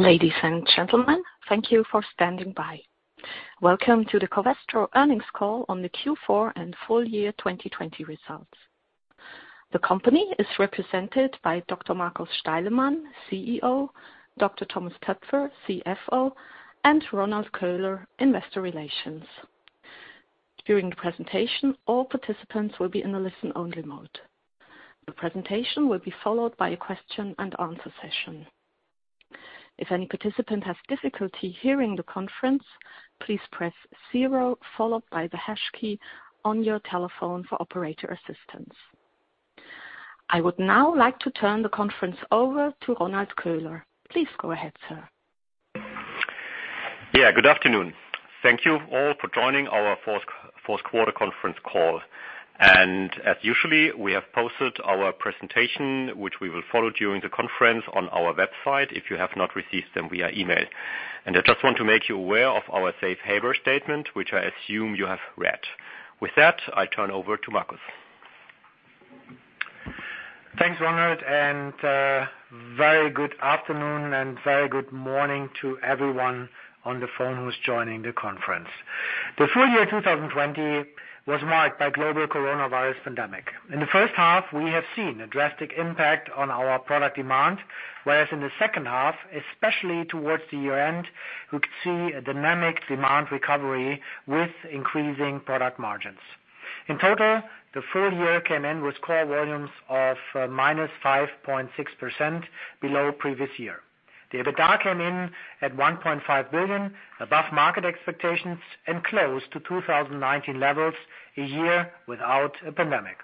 Ladies and gentlemen, thank you for standing by. Welcome to the Covestro earnings call on the Q4 and full year 2020 results. The company is represented by Dr. Markus Steilemann, CEO, Dr. Thomas Töpfer, CFO, and Ronald Köhler, Investor Relations. During the presentation, all participants will be in a listen-only mode. The presentation will be followed by a question and answer session. If any participant has difficulty hearing the conference, please press zero followed by the hash key on your telephone for operator assistance. I would now like to turn the conference over to Ronald Köhler. Please go ahead, sir. Yeah, good afternoon. Thank you all for joining our fourth quarter conference call. As usually, we have posted our presentation, which we will follow during the conference on our website if you have not received them via email. I just want to make you aware of our safe harbor statement, which I assume you have read. With that, I turn over to Markus. Thanks, Ronald, and very good afternoon and very good morning to everyone on the phone who's joining the conference. The full year 2020 was marked by global coronavirus pandemic. In the first half, we have seen a drastic impact on our product demand, whereas in the second half, especially towards the year-end, we could see a dynamic demand recovery with increasing product margins. In total, the full year came in with core volumes of -5.6% below previous year. The EBITDA came in at 1.5 billion above market expectations and close to 2019 levels, a year without a pandemic.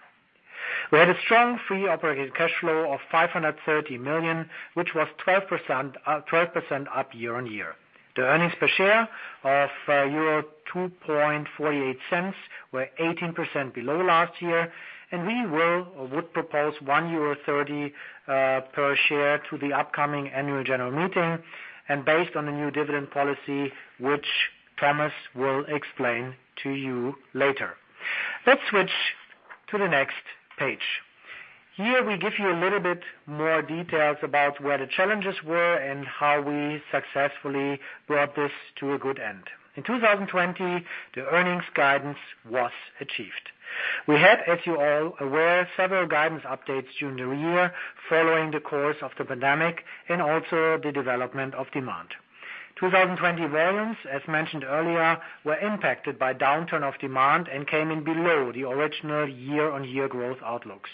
We had a strong free operating cash flow of 530 million, which was 12% up year-over-year. The earnings per share of 0.0248 were 18% below last year. We would propose 1.30 euro per share to the upcoming annual general meeting and based on the new dividend policy, which Thomas will explain to you later. Let's switch to the next page. Here we give you a little bit more details about where the challenges were and how we successfully brought this to a good end. In 2020, the earnings guidance was achieved. We had, as you all aware, several guidance updates during the year following the course of the pandemic and also the development of demand. 2020 volumes, as mentioned earlier, were impacted by downturn of demand and came in below the original year-on-year growth outlooks.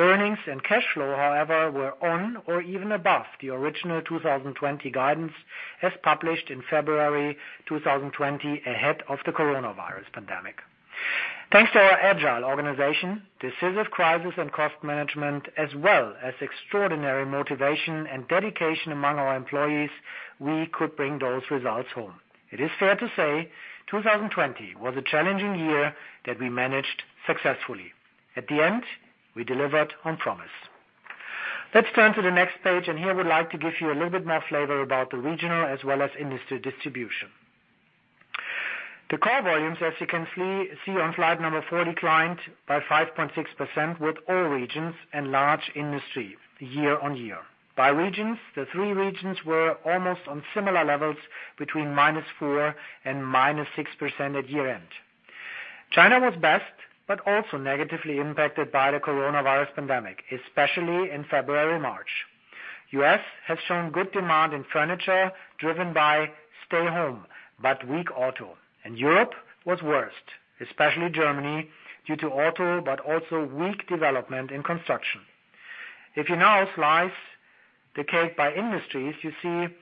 Earnings and cash flow, however, were on or even above the original 2020 guidance as published in February 2020 ahead of the coronavirus pandemic. Thanks to our agile organization, decisive crisis and cost management, as well as extraordinary motivation and dedication among our employees, we could bring those results home. It is fair to say 2020 was a challenging year that we managed successfully. At the end, we delivered on promise. Let's turn to the next page. Here I would like to give you a little bit more flavor about the regional as well as industry distribution. The core volumes, as you can see on slide number four, declined by 5.6% with all regions and large industry year-on-year. By regions, the three regions were almost on similar levels between -4% and -6% at year-end. China was best, also negatively impacted by the coronavirus pandemic, especially in February, March. U.S. has shown good demand in furniture driven by stay home, weak auto. Europe was worst, especially Germany, due to auto, but also weak development in construction. If you now slice the cake by industries, you see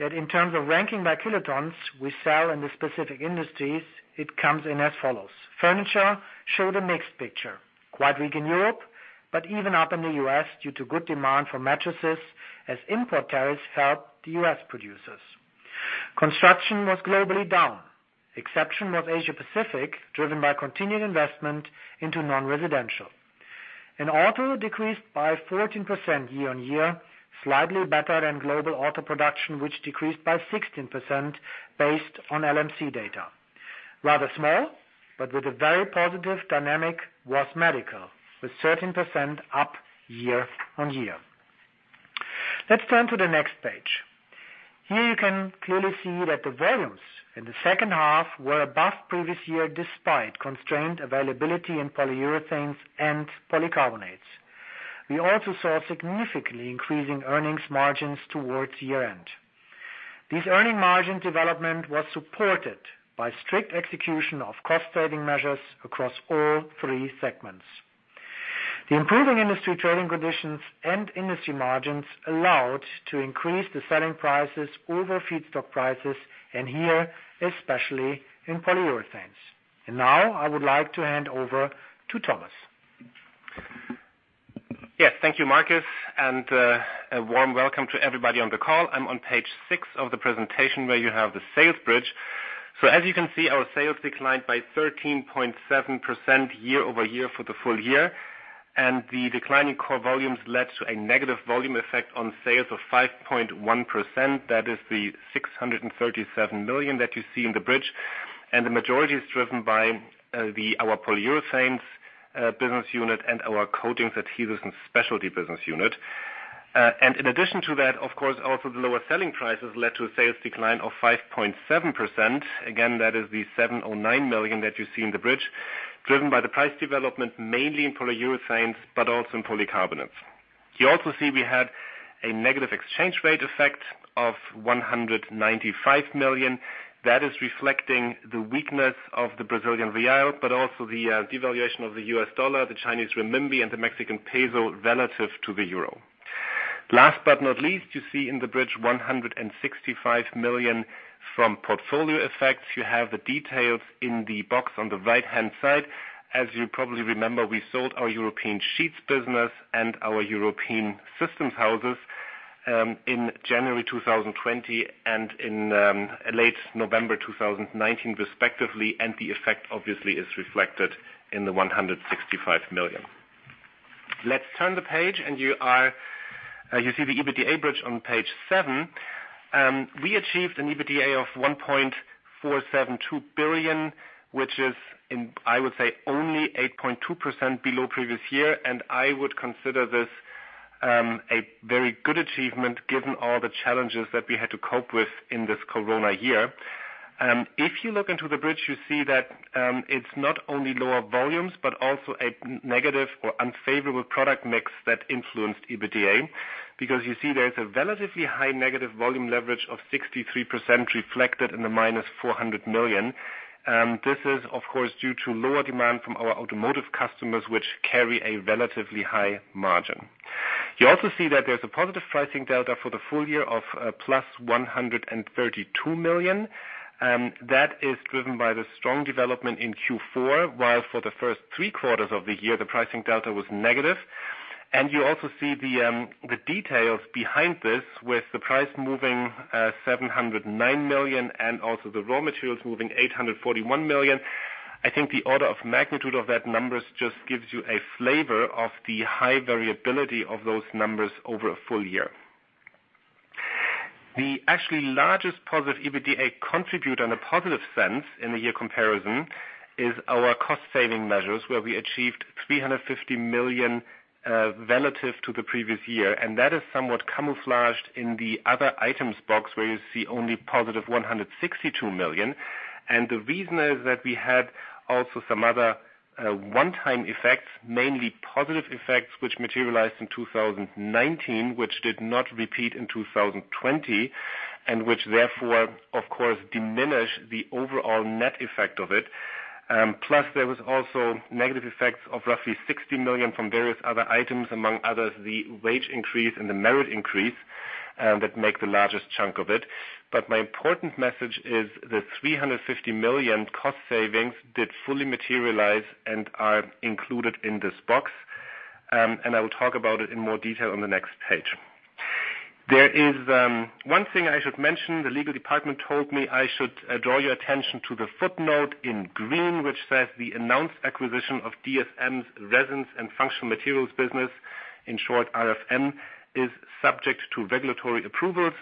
that in terms of ranking by kilotons we sell in the specific industries, it comes in as follows: furniture showed a mixed picture, quite weak in Europe, but even up in the U.S. due to good demand for mattresses as import tariffs helped the U.S. producers. Construction was globally down. Exception was Asia-Pacific, driven by continued investment into non-residential. Auto decreased by 14% year-on-year, slightly better than global auto production, which decreased by 16% based on LMC data. Rather small, but with a very positive dynamic was medical with 13% up year-on-year. Let's turn to the next page. Here you can clearly see that the volumes in the second half were above previous year, despite constrained availability in polyurethanes and polycarbonates. We also saw significantly increasing earnings margins towards year-end. This earning margin development was supported by strict execution of cost-saving measures across all three segments. The improving industry trading conditions and industry margins allowed to increase the selling prices over feedstock prices, and here, especially in polyurethanes. Now I would like to hand over to Thomas. Yes. Thank you, Markus, and a warm welcome to everybody on the call. I'm on page six of the presentation where you have the sales bridge. As you can see, our sales declined by 13.7% year-over-year for the full year, and the decline in core volumes led to a negative volume effect on sales of 5.1%. That is the 637 million that you see in the bridge. The majority is driven by our Polyurethanes business unit and our Coatings, Adhesives and Specialty business unit. In addition to that, of course, also the lower selling prices led to a sales decline of 5.7%. Again, that is the 709 million that you see in the bridge, driven by the price development, mainly in Polyurethanes, but also in Polycarbonates. You also see we had a negative exchange rate effect of 195 million. That is reflecting the weakness of the Brazilian real, but also the devaluation of the U.S. dollar, the Chinese renminbi, and the Mexican peso relative to the euro. Last but not least, you see in the bridge 165 million from portfolio effects. You have the details in the box on the right-hand side. As you probably remember, we sold our European sheets business and our European systems houses, in January 2020 and in late November 2019, respectively. The effect obviously is reflected in the 165 million. Let's turn the page and you see the EBITDA bridge on page seven. We achieved an EBITDA of 1.472 billion, which is, I would say, only 8.2% below previous year. I would consider this a very good achievement given all the challenges that we had to cope with in this COVID year. If you look into the bridge, you see that it's not only lower volumes, but also a negative or unfavorable product mix that influenced EBITDA. Because you see there is a relatively high negative volume leverage of 63% reflected in the minus 400 million. This is, of course, due to lower demand from our automotive customers, which carry a relatively high margin. You also see that there's a positive pricing delta for the full year of plus 132 million. That is driven by the strong development in Q4, while for the first three quarters of the year, the pricing delta was negative. You also see the details behind this with the price moving 709 million and also the raw materials moving 841 million. I think the order of magnitude of that numbers just gives you a flavor of the high variability of those numbers over a full year. The actually largest positive EBITDA contribute on a positive sense in the year comparison is our cost-saving measures, where we achieved 350 million relative to the previous year. That is somewhat camouflaged in the other items box, where you see only positive 162 million. The reason is that we had also some other one-time effects, mainly positive effects, which materialized in 2019, which did not repeat in 2020, and which therefore, of course, diminished the overall net effect of it. Plus, there was also negative effects of roughly 60 million from various other items, among others, the wage increase and the merit increase, that make the largest chunk of it. My important message is the 350 million cost savings did fully materialize and are included in this box. I will talk about it in more detail on the next page. There is one thing I should mention. The legal department told me I should draw your attention to the footnote in green, which says, "The announced acquisition of DSM's resins and functional materials business, in short, RFM, is subject to regulatory approvals."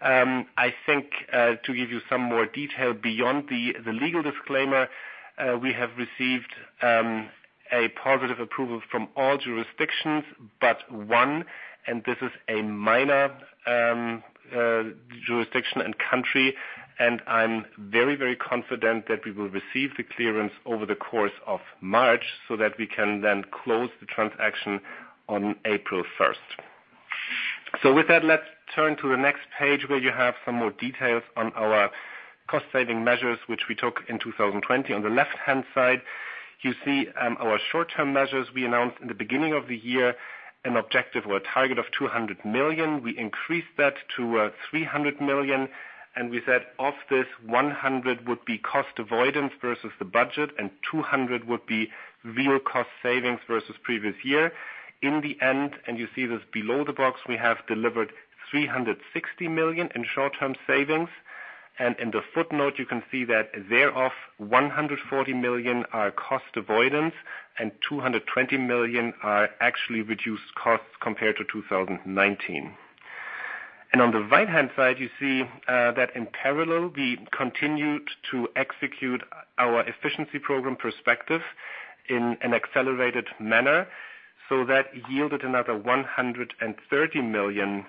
I think, to give you some more detail beyond the legal disclaimer, we have received a positive approval from all jurisdictions but one, and this is a minor jurisdiction and country, and I am very confident that we will receive the clearance over the course of March so that we can then close the transaction on April 1st. With that, let us turn to the next page where you have some more details on our cost-saving measures, which we took in 2020. On the left-hand side, you see our short-term measures we announced in the beginning of the year, an objective or target of 200 million. We increased that to 300 million. We said of this 100 million would be cost avoidance versus the budget, 200 million would be real cost savings versus previous year. In the end, you see this below the box, we have delivered 360 million in short-term savings. In the footnote, you can see that thereof, 140 million are cost avoidance and 220 million are actually reduced costs compared to 2019. On the right-hand side, you see that in parallel, we continued to execute our efficiency program PERSPECTIVE in an accelerated manner. That yielded another 130 million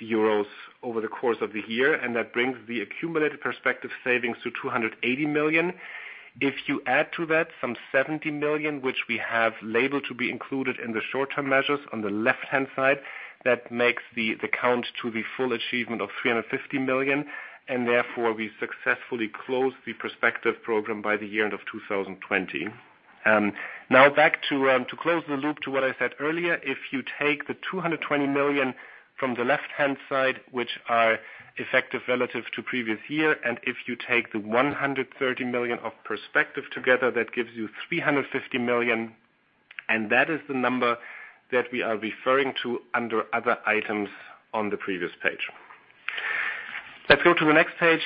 euros over the course of the year. That brings the accumulated PERSPECTIVE savings to 280 million. If you add to that some 70 million, which we have labeled to be included in the short-term measures on the left-hand side, that makes the count to the full achievement of 350 million, and therefore we successfully closed the PERSPECTIVE program by the year end of 2020. Back to close the loop to what I said earlier, if you take the 220 million from the left-hand side, which are effective relative to previous year, and if you take the 130 million of PERSPECTIVE together, that gives you 350 million, and that is the number that we are referring to under other items on the previous page. Let's go to the next page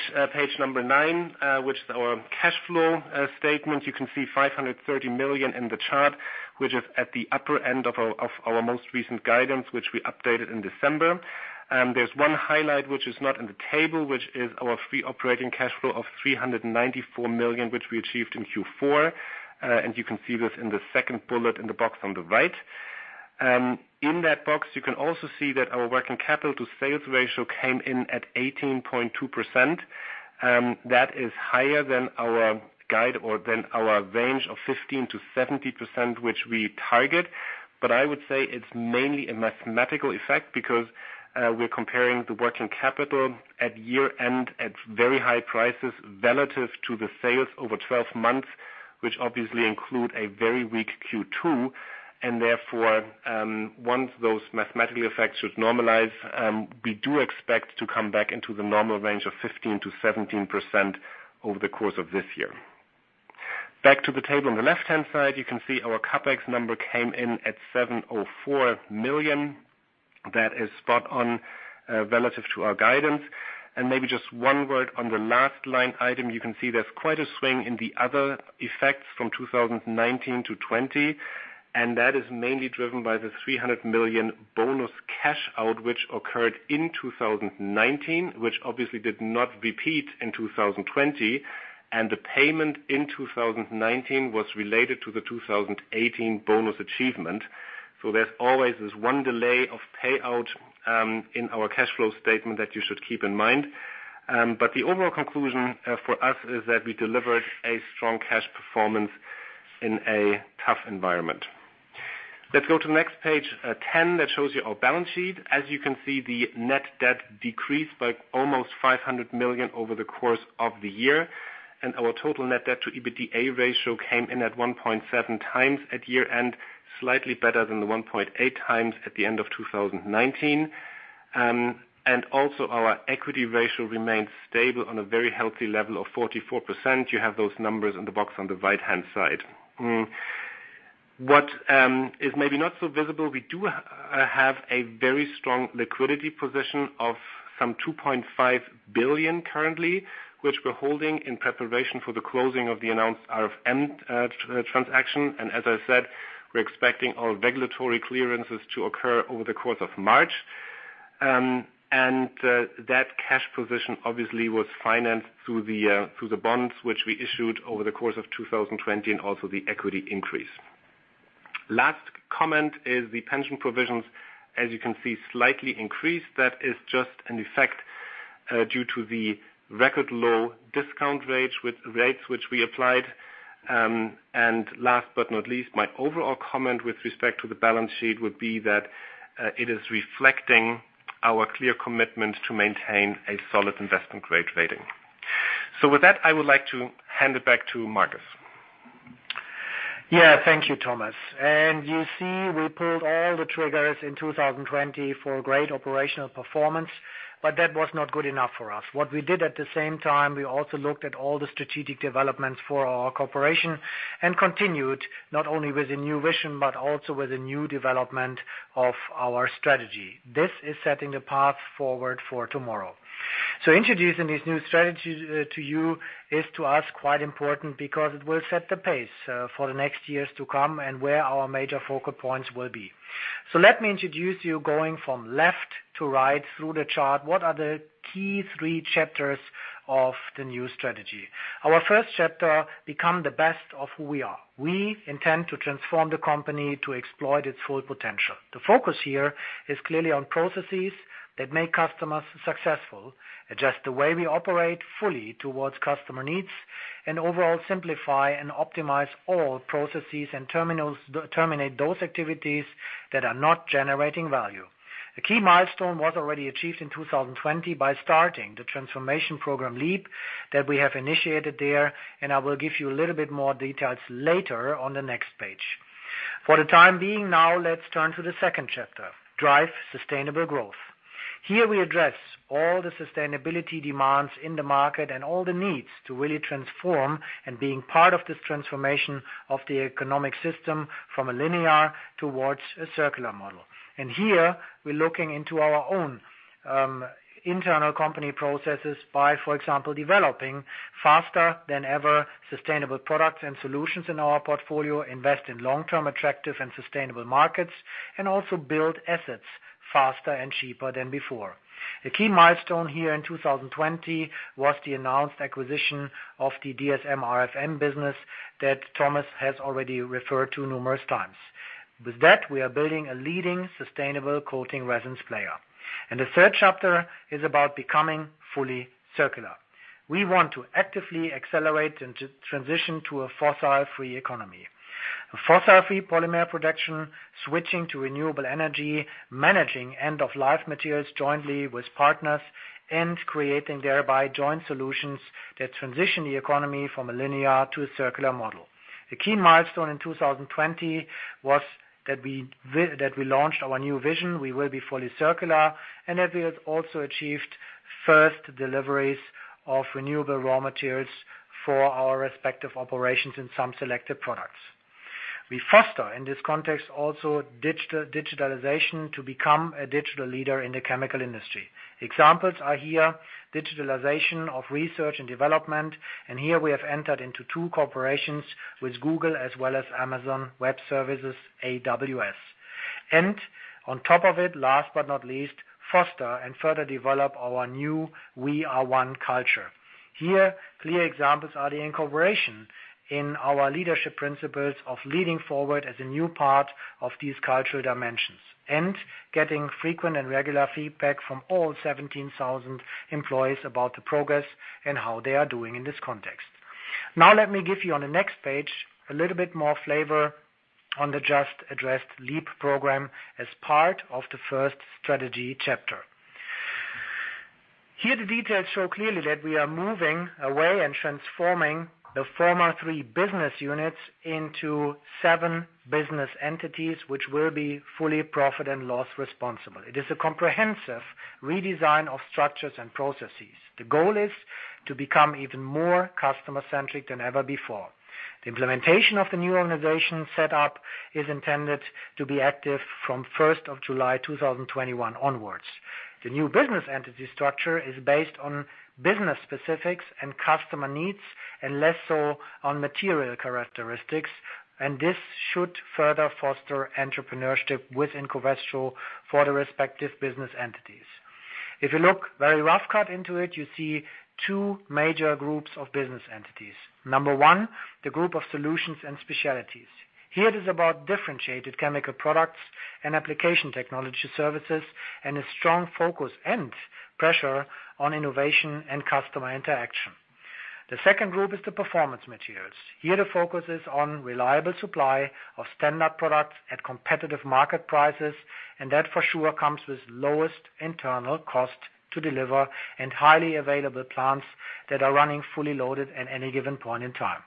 number nine, which is our cash flow statement. You can see 530 million in the chart, which is at the upper end of our most recent guidance, which we updated in December. There's one highlight, which is not in the table, which is our free operating cash flow of 394 million, which we achieved in Q4. You can see this in the second bullet in the box on the right. In that box, you can also see that our working capital to sales ratio came in at 18.2%. That is higher than our guide or than our range of 15%-17%, which we target. I would say it's mainly a mathematical effect because we're comparing the working capital at year-end at very high prices relative to the sales over 12 months, which obviously include a very weak Q2, and therefore, once those mathematical effects should normalize, we do expect to come back into the normal range of 15%-17% over the course of this year. Back to the table on the left-hand side, you can see our CapEx number came in at 704 million. That is spot on relative to our guidance. Maybe just one word on the last line item, you can see there's quite a swing in the other effects from 2019 to 2020, and that is mainly driven by the 300 million bonus cash out, which occurred in 2019, which obviously did not repeat in 2020, and the payment in 2019 was related to the 2018 bonus achievement. There's always this one delay of payout in our cash flow statement that you should keep in mind. The overall conclusion for us is that we delivered a strong cash performance in a tough environment. Let's go to the next page, 10, that shows you our balance sheet. As you can see, the net debt decreased by almost 500 million over the course of the year, and our total net debt to EBITDA ratio came in at 1.7x at year-end, slightly better than the 1.8x at the end of 2019. Also, our equity ratio remains stable on a very healthy level of 44%. You have those numbers in the box on the right-hand side. What is maybe not so visible, we do have a very strong liquidity position of some 2.5 billion currently, which we're holding in preparation for the closing of the announced RFM transaction. As I said, we're expecting our regulatory clearances to occur over the course of March. That cash position obviously was financed through the bonds, which we issued over the course of 2020 and also the equity increase. Last comment is the pension provisions, as you can see, slightly increased. That is just an effect due to the record low discount rates which we applied. Last but not least, my overall comment with respect to the balance sheet would be that it is reflecting our clear commitment to maintain a solid investment-grade rating. With that, I would like to hand it back to Markus. Thank you, Thomas. You see, we pulled all the triggers in 2020 for great operational performance, but that was not good enough for us. What we did at the same time, we also looked at all the strategic developments for our corporation and continued not only with a new vision, but also with a new development of our strategy. This is setting the path forward for tomorrow. Introducing this new strategy to you is to us quite important because it will set the pace for the next years to come and where our major focal points will be. Let me introduce you, going from left to right through the chart. What are the key three chapters of the new strategy? Our first chapter, become the best of who we are. We intend to transform the company to exploit its full potential. The focus here is clearly on processes that make customers successful, adjust the way we operate fully towards customer needs, and overall simplify and optimize all processes and terminate those activities that are not generating value. A key milestone was already achieved in 2020 by starting the transformation program, LEAP, that we have initiated there, and I will give you a little bit more details later on the next page. For the time being now, let's turn to the second chapter, drive sustainable growth. Here we address all the sustainability demands in the market and all the needs to really transform and being part of this transformation of the economic system from a linear towards a circular model. Here we're looking into our own internal company processes by, for example, developing faster than ever sustainable products and solutions in our portfolio, invest in long-term attractive and sustainable markets, and also build assets faster and cheaper than before. A key milestone here in 2020 was the announced acquisition of the DSM-RFM business that Thomas has already referred to numerous times. With that, we are building a leading sustainable coating resins player. The third chapter is about becoming fully circular. We want to actively accelerate and transition to a fossil-free economy. A fossil-free polymer production, switching to renewable energy, managing end-of-life materials jointly with partners, and creating thereby joint solutions that transition the economy from a linear to a circular model. The key milestone in 2020 was that we launched our new vision. We will be fully circular, and that we have also achieved first deliveries of renewable raw materials for our respective operations in some selected products. We foster in this context also digitalization to become a digital leader in the chemical industry. Examples are here, digitalization of research and development, and here we have entered into two cooperations with Google as well as Amazon Web Services, AWS. On top of it, last but not least, foster and further develop our new We Are One culture. Here, clear examples are the incorporation in our Leadership Principles of Leading Forward as a new part of these cultural dimensions, and getting frequent and regular feedback from all 17,000 employees about the progress and how they are doing in this context. Let me give you on the next page a little bit more flavor on the just addressed LEAP program as part of the first strategy chapter. The details show clearly that we are moving away and transforming the former three business units into seven business entities, which will be fully profit and loss responsible. It is a comprehensive redesign of structures and processes. The goal is to become even more customer-centric than ever before. The implementation of the new organization set up is intended to be active from 1st of July 2021 onwards. The new business entity structure is based on business specifics and customer needs, and less so on material characteristics, this should further foster entrepreneurship within Covestro for the respective business entities. If you look very rough cut into it, you see two major groups of business entities. Number one, the group of solutions and specialties. Here, it is about differentiated chemical products and application technology services, and a strong focus and pressure on innovation and customer interaction. The second group is the performance materials. Here, the focus is on reliable supply of standard products at competitive market prices, and that for sure comes with lowest internal cost to deliver and highly available plants that are running fully loaded at any given point in time.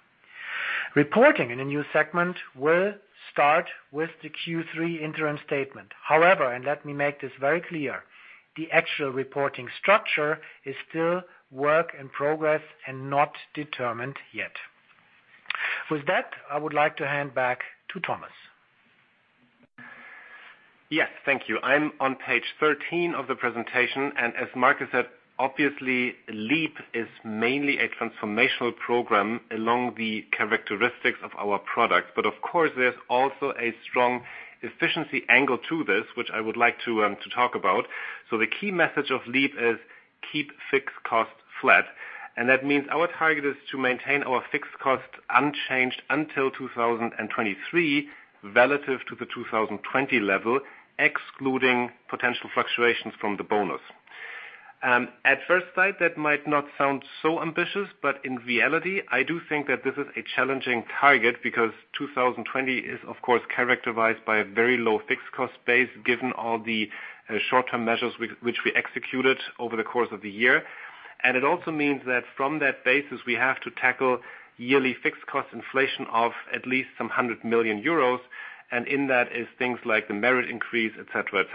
Reporting in a new segment will start with the Q3 interim statement. However, and let me make this very clear, the actual reporting structure is still work in progress and not determined yet. With that, I would like to hand back to Thomas. Yes. Thank you. I am on page 13 of the presentation, as Markus said, obviously, LEAP is mainly a transformational program along the characteristics of our product. Of course, there is also a strong efficiency angle to this, which I would like to talk about. The key message of LEAP is keep fixed cost flat. That means our target is to maintain our fixed cost unchanged until 2023 relative to the 2020 level, excluding potential fluctuations from the bonus. At first sight, that might not sound so ambitious, but in reality, I do think that this is a challenging target because 2020 is, of course, characterized by a very low fixed cost base given all the short-term measures which we executed over the course of the year. It also means that from that basis, we have to tackle yearly fixed cost inflation of at least some 100 million euros, and in that is things like the merit increase, et cetera.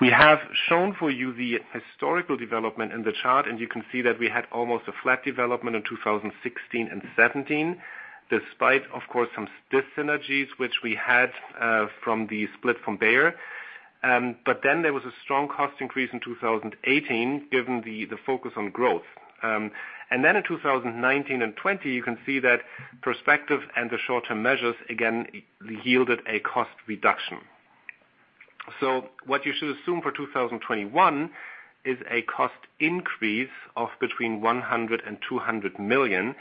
We have shown for you the historical development in the chart. You can see that we had almost a flat development in 2016 and 2017, despite, of course, some dis-synergies which we had from the split from Bayer. There was a strong cost increase in 2018 given the focus on growth. In 2019 and 2020, you can see that PERSPECTIVE and the short-term measures, again, yielded a cost reduction. What you should assume for 2021 is a cost increase of between 100 million and 200 million.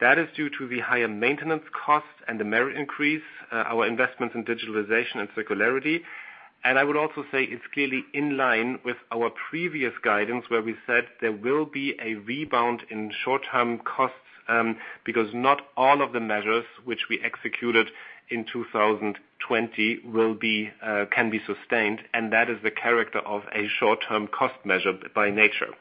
That is due to the higher maintenance cost and the merit increase, our investments in digitalization and circularity. I would also say it's clearly in line with our previous guidance where we said there will be a rebound in short-term costs, because not all of the measures which we executed in 2020 can be sustained, and that is the character of a short-term cost measure by nature.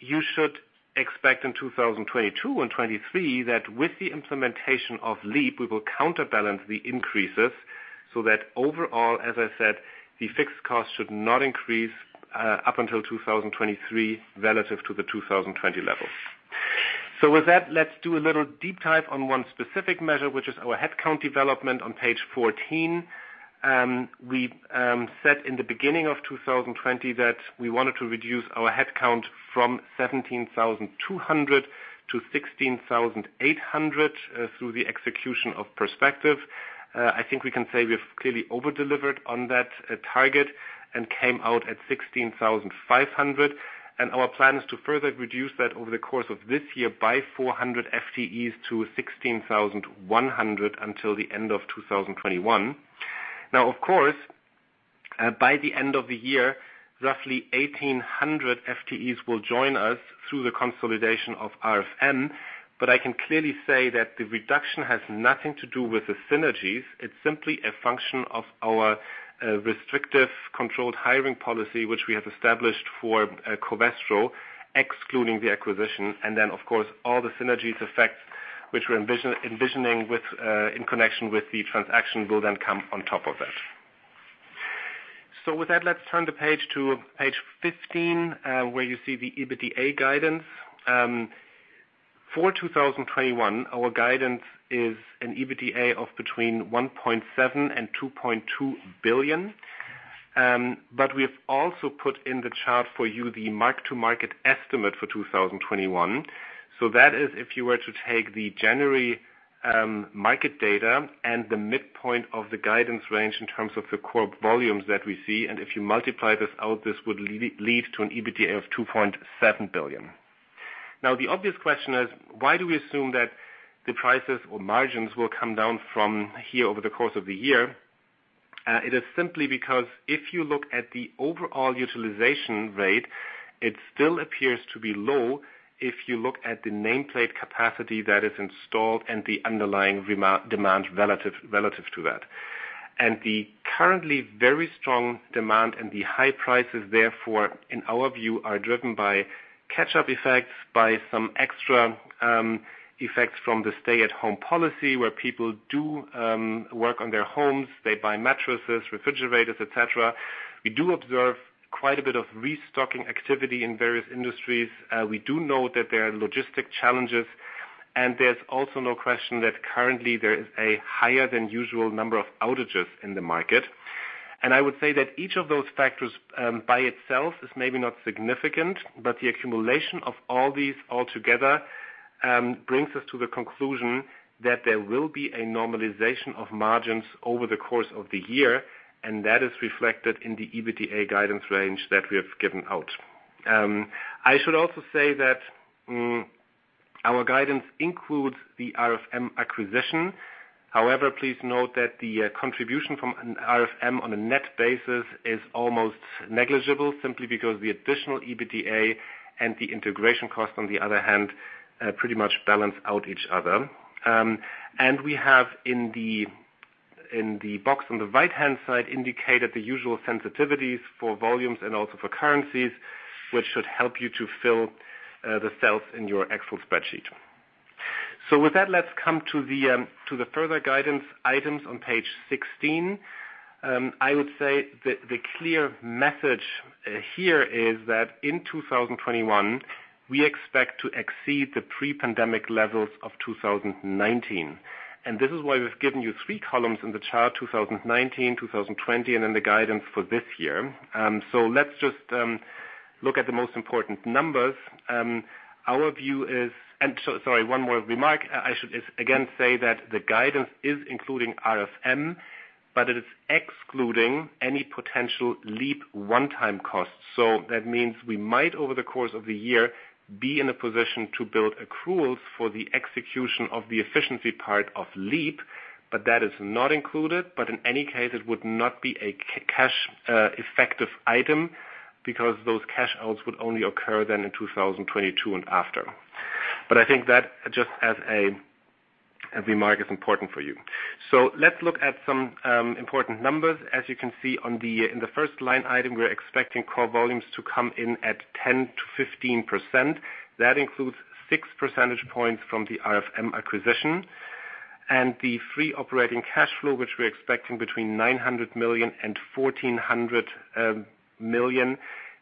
You should expect in 2022 and 2023 that with the implementation of LEAP, we will counterbalance the increases so that overall, as I said, the fixed cost should not increase, up until 2023 relative to the 2020 level. With that, let's do a little deep dive on one specific measure, which is our headcount development on page 14. We said in the beginning of 2020 that we wanted to reduce our headcount from 17,200 to 16,800, through the execution of PERSPECTIVE. I think we can say we've clearly over-delivered on that target and came out at 16,500. Our plan is to further reduce that over the course of this year by 400 FTEs to 16,100 until the end of 2021. Of course, by the end of the year, roughly 1,800 FTEs will join us through the consolidation of RFM, but I can clearly say that the reduction has nothing to do with the synergies. It's simply a function of our restrictive controlled hiring policy, which we have established for Covestro, excluding the acquisition. Of course, all the synergies effects which we're envisioning in connection with the transaction will then come on top of that. With that, let's turn the page to page 15, where you see the EBITDA guidance. For 2021, our guidance is an EBITDA of between 1.7 billion and 2.2 billion. We have also put in the chart for you the mark-to-market estimate for 2021. That is, if you were to take the January market data and the midpoint of the guidance range in terms of the core volumes that we see, and if you multiply this out, this would lead to an EBITDA of 2.7 billion. The obvious question is, why do we assume that the prices or margins will come down from here over the course of the year? It is simply because if you look at the overall utilization rate, it still appears to be low if you look at the nameplate capacity that is installed and the underlying demand relative to that. The currently very strong demand and the high prices, therefore, in our view, are driven by catch-up effects, by some extra effects from the stay-at-home policy, where people do work on their homes. They buy mattresses, refrigerators, et cetera. We do observe quite a bit of restocking activity in various industries. We do know that there are logistic challenges, and there's also no question that currently there is a higher than usual number of outages in the market. I would say that each of those factors, by itself, is maybe not significant, but the accumulation of all these altogether brings us to the conclusion that there will be a normalization of margins over the course of the year, and that is reflected in the EBITDA guidance range that we have given out. I should also say that our guidance includes the RFM acquisition. However, please note that the contribution from an RFM on a net basis is almost negligible, simply because the additional EBITDA and the integration cost, on the other hand, pretty much balance out each other. We have, in the box on the right-hand side, indicated the usual sensitivities for volumes and also for currencies, which should help you to fill the cells in your Excel spreadsheet. With that, let's come to the further guidance items on page 16. I would say the clear message here is that in 2021, we expect to exceed the pre-pandemic levels of 2019. This is why we've given you three columns in the chart, 2019, 2020, and then the guidance for this year. Let's just look at the most important numbers. Sorry, one more remark. I should again say that the guidance is including RFM, but it is excluding any potential LEAP one-time costs. That means we might, over the course of the year, be in a position to build accruals for the execution of the efficiency part of LEAP, but that is not included. In any case, it would not be a cash-effective item because those cash outs would only occur in 2022 and after. I think that, just as a remark, is important for you. Let's look at some important numbers. As you can see in the first line item, we're expecting core volumes to come in at 10%-15%. That includes six percentage points from the RFM acquisition. The free operating cash flow, which we're expecting between 900 million and 1,400 million.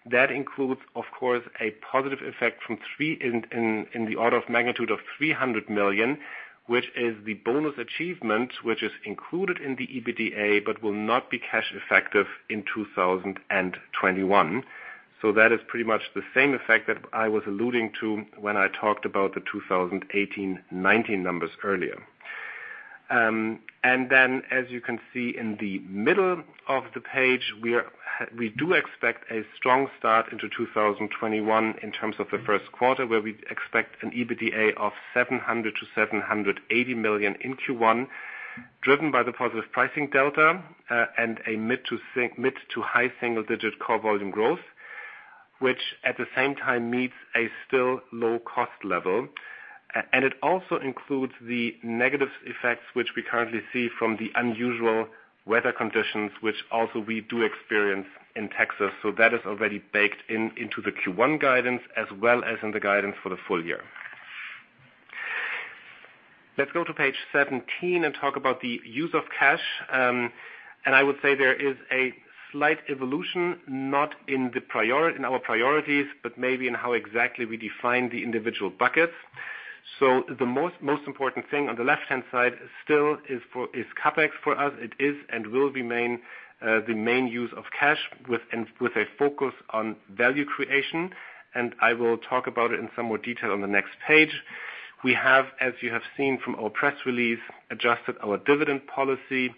That includes, of course, a positive effect in the order of magnitude of 300 million, which is the bonus achievement, which is included in the EBITDA but will not be cash effective in 2021. That is pretty much the same effect that I was alluding to when I talked about the 2018-2019 numbers earlier. As you can see in the middle of the page, we do expect a strong start into 2021 in terms of the first quarter, where we expect an EBITDA of 700 million-780 million in Q1, driven by the positive pricing delta and a mid to high single-digit core volume growth. Which at the same time meets a still low cost level. It also includes the negative effects which we currently see from the unusual weather conditions, which also we do experience in Texas. That is already baked into the Q1 guidance as well as in the guidance for the full year. Let's go to page 17 and talk about the use of cash. I would say there is a slight evolution, not in our priorities, but maybe in how exactly we define the individual buckets. The most important thing on the left-hand side still is CapEx for us. It is and will remain the main use of cash with a focus on value creation, and I will talk about it in some more detail on the next page. We have, as you have seen from our press release, adjusted our dividend policy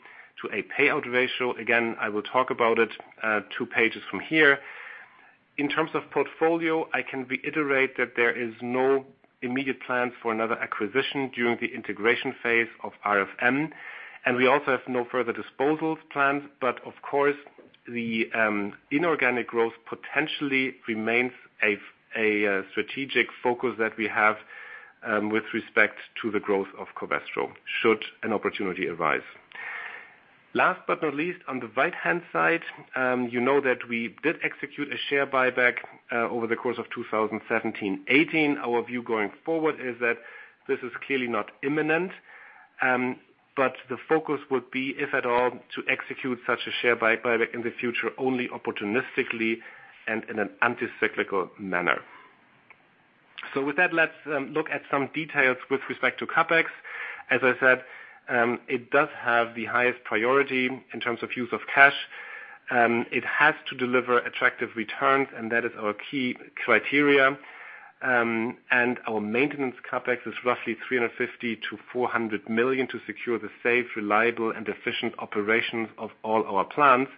to a payout ratio. Again, I will talk about it two pages from here. In terms of portfolio, I can reiterate that there is no immediate plans for another acquisition during the integration phase of RFM, and we also have no further disposals plans. Of course, the inorganic growth potentially remains a strategic focus that we have with respect to the growth of Covestro should an opportunity arise. Last but not least, on the right-hand side, you know that we did execute a share buyback over the course of 2017-2018. Our view going forward is that this is clearly not imminent. The focus would be, if at all, to execute such a share buyback in the future only opportunistically and in an anti-cyclical manner. With that, let's look at some details with respect to CapEx. As I said, it does have the highest priority in terms of use of cash. It has to deliver attractive returns, and that is our key criteria. Our maintenance CapEx is roughly 350 million-400 million to secure the safe, reliable, and efficient operations of all our plants.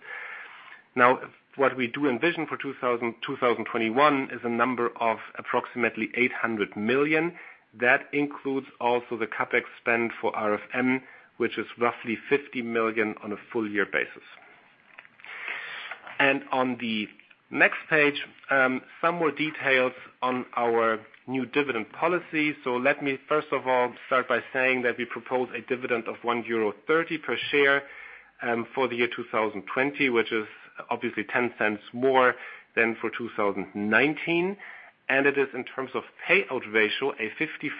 What we do envision for 2021 is a number of approximately 800 million. That includes also the CapEx spend for RFM, which is roughly 50 million on a full year basis. On the next page, some more details on our new dividend policy. Let me first of all start by saying that we propose a dividend of 1.30 euro per share for the year 2020, which is obviously 0.10 more than for 2019. It is in terms of payout ratio, a 55%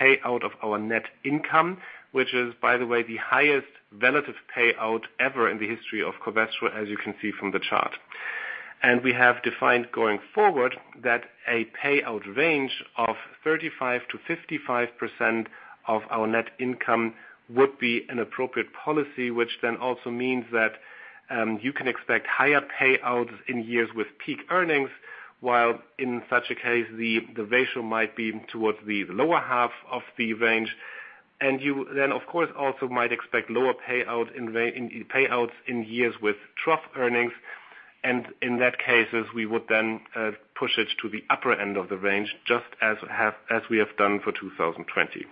payout of our net income, which is, by the way, the highest relative payout ever in the history of Covestro, as you can see from the chart. We have defined going forward that a payout range of 35%-55% of our net income would be an appropriate policy, which then also means that you can expect higher payouts in years with peak earnings, while in such a case, the ratio might be towards the lower half of the range. You then, of course, also might expect lower payouts in years with trough earnings. In that cases, we would then push it to the upper end of the range, just as we have done for 2020.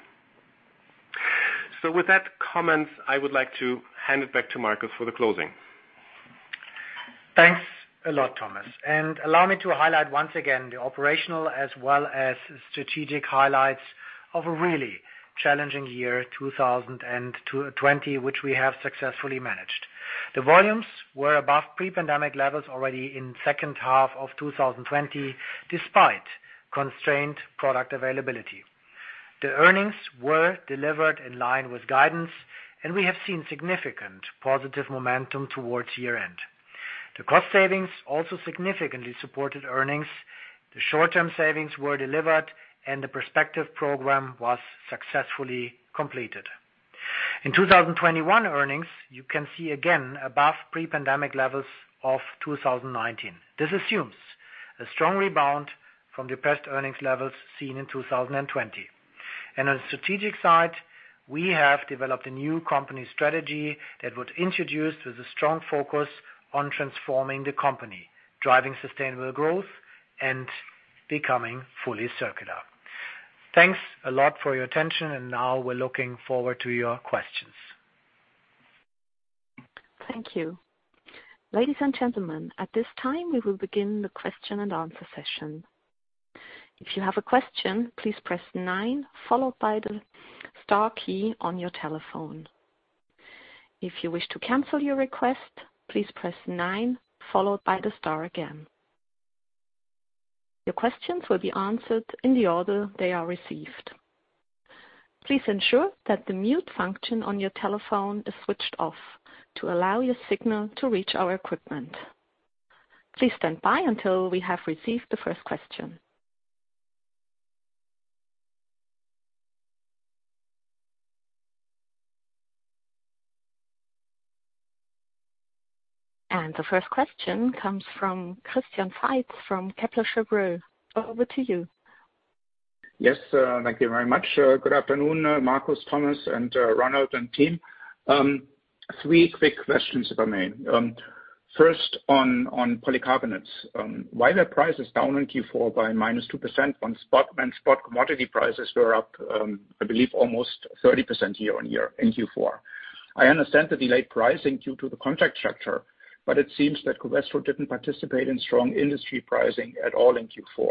With that comment, I would like to hand it back to Markus for the closing. Thanks a lot, Thomas. Allow me to highlight once again the operational as well as strategic highlights of a really challenging year, 2020, which we have successfully managed. The volumes were above pre-pandemic levels already in second half of 2020, despite constrained product availability. The earnings were delivered in line with guidance. We have seen significant positive momentum towards year-end. The cost savings also significantly supported earnings. The short-term savings were delivered. The PERSPECTIVE program was successfully completed. In 2021 earnings, you can see again above pre-pandemic levels of 2019. This assumes a strong rebound from depressed earnings levels seen in 2020. On the strategic side, we have developed a new company strategy that would introduce with a strong focus on transforming the company, driving sustainable growth and becoming fully circular. Thanks a lot for your attention. Now we're looking forward to your questions. The first question comes from Christian Faitz from Kepler Cheuvreux. Over to you. Yes, thank you very much. Good afternoon, Markus, Thomas, and Ronald and team. Three quick questions, if I may. First, on polycarbonates. Why are prices down in Q4 by -2% on spot when spot commodity prices were up, I believe almost 30% year-on-year in Q4? I understand the delayed pricing due to the contract structure, but it seems that Covestro didn't participate in strong industry pricing at all in Q4.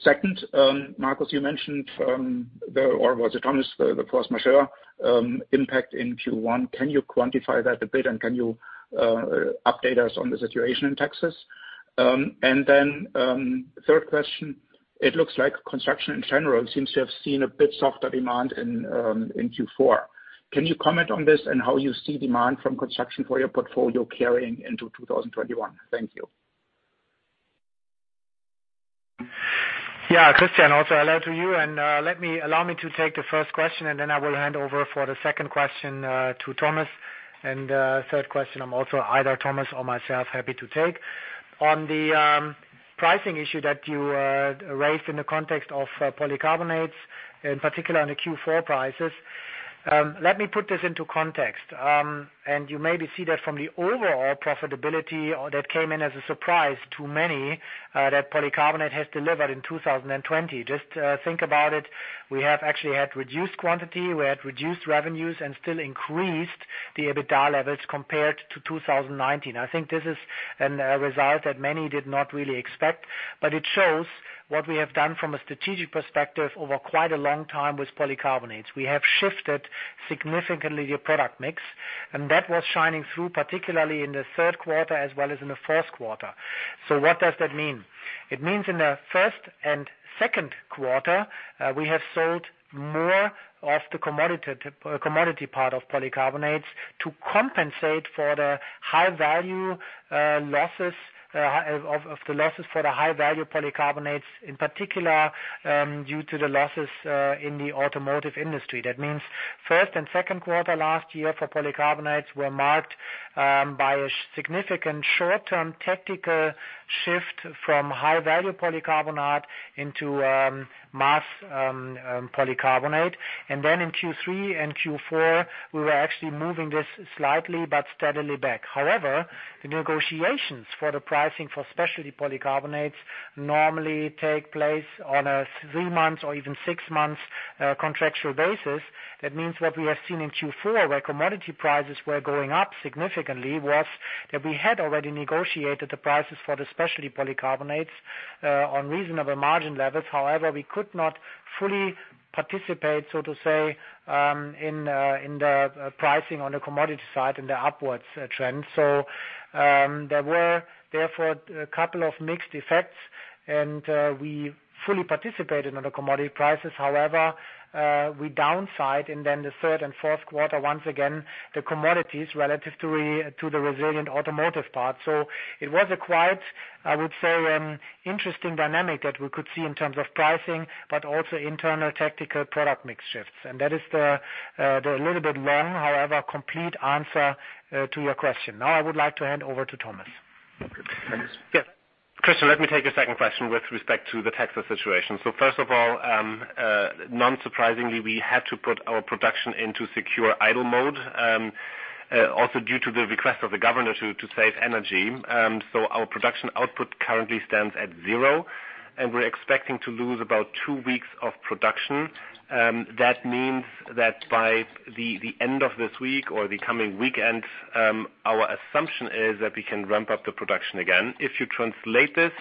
Second, Markus, you mentioned, or was it Thomas? The force majeure impact in Q1. Can you quantify that a bit, and can you update us on the situation in Texas? Third question, it looks like construction in general seems to have seen a bit softer demand in Q4. Can you comment on this and how you see demand from construction for your portfolio carrying into 2021? Thank you. Yeah. Christian, also hello to you, allow me to take the first question, then I will hand over for the second question to Thomas, third question also either Thomas or myself happy to take. On the pricing issue that you raised in the context of polycarbonates, in particular on the Q4 prices, let me put this into context. You maybe see that from the overall profitability that came in as a surprise to many that polycarbonate has delivered in 2020. Just think about it. We have actually had reduced quantity, we had reduced revenues, still increased the EBITDA levels compared to 2019. I think this is a result that many did not really expect, it shows what we have done from a strategic perspective over quite a long time with polycarbonates. We have shifted significantly the product mix, and that was shining through, particularly in the third quarter as well as in the first quarter. What does that mean? It means in the first and second quarter, we have sold more of the commodity part of polycarbonates to compensate for the losses for the high-value polycarbonates, in particular, due to the losses in the automotive industry. That means first and second quarter last year for polycarbonates were marked by a significant short-term tactical shift from high-value polycarbonate into mass polycarbonate. In Q3 and Q4, we were actually moving this slightly, but steadily back. However, the negotiations for the pricing for specialty polycarbonates normally take place on a three-month or even six-months contractual basis. That means what we have seen in Q4, where commodity prices were going up significantly, was that we had already negotiated the prices for the specialty polycarbonates on reasonable margin levels. We could not fully participate, so to say, in the pricing on the commodity side in the upwards trend. There were therefore a couple of mixed effects and we fully participated in the commodity prices. We downside and then the third and fourth quarter, once again, the commodities relative to the resilient automotive part. It was a quite, I would say, interesting dynamic that we could see in terms of pricing, but also internal tactical product mix shifts. That is the little bit long, however, complete answer to your question. Now I would like to hand over to Thomas. Yes. Christian, let me take a second question with respect to the Texas situation. First of all, unsurprisingly, we had to put our production into secure idle mode, also due to the request of the governor to save energy. Our production output currently stands at zero, and we're expecting to lose about two weeks of production. That means that by the end of this week or the coming weekend, our assumption is that we can ramp up the production again. If you translate this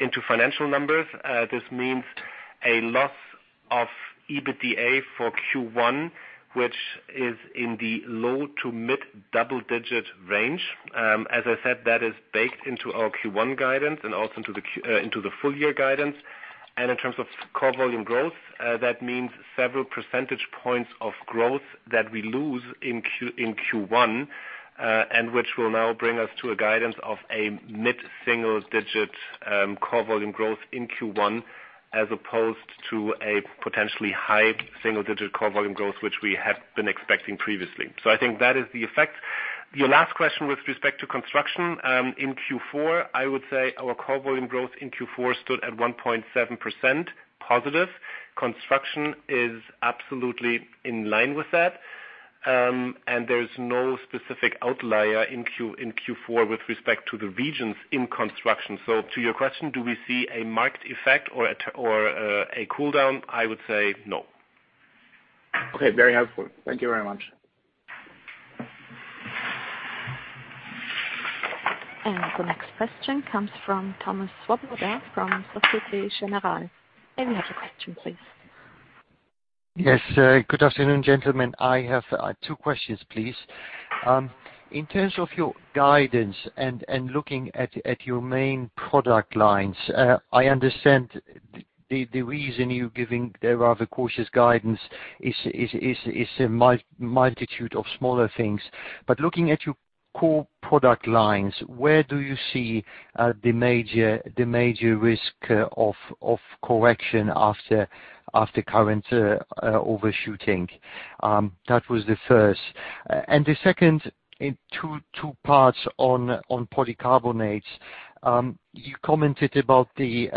into financial numbers, this means a loss of EBITDA for Q1, which is in the low to mid double-digit range. As I said, that is baked into our Q1 guidance and also into the full-year guidance. In terms of core volume growth, that means several percentage points of growth that we lose in Q1, which will now bring us to a guidance of a mid-single digit core volume growth in Q1 as opposed to a potentially high single-digit core volume growth, which we had been expecting previously. I think that is the effect. Your last question with respect to construction in Q4, I would say our core volume growth in Q4 stood at 1.7% positive. Construction is absolutely in line with that, there is no specific outlier in Q4 with respect to the regions in construction. To your question, do we see a marked effect or a cool down? I would say no. Okay. Very helpful. Thank you very much. The next question comes from Thomas Swoboda from Societe Generale. Any other question, please? Yes. Good afternoon, gentlemen. I have two questions, please. In terms of your guidance and looking at your main product lines, I understand the reason you're giving the rather cautious guidance is a multitude of smaller things. Looking at your core product lines, where do you see the major risk of correction after current overshooting? That was the first. The second, in two parts on polycarbonates. You commented about the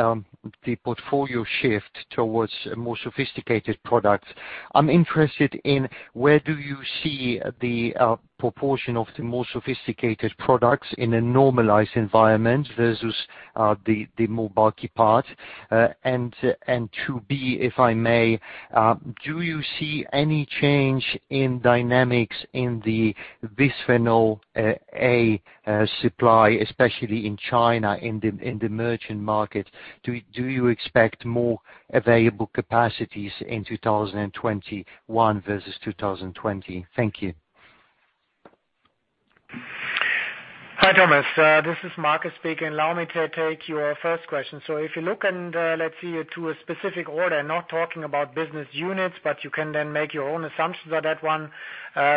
portfolio shift towards more sophisticated products. I'm interested in where do you see the proportion of the more sophisticated products in a normalized environment versus the more bulky part. Two B, if I may, do you see any change in dynamics in the bisphenol A supply, especially in China, in the merchant market? Do you expect more available capacities in 2021 versus 2020? Thank you. Hi, Thomas. This is Markus speaking. Allow me to take your first question. If you look and let's see to a specific order, not talking about business units, but you can then make your own assumptions on that one.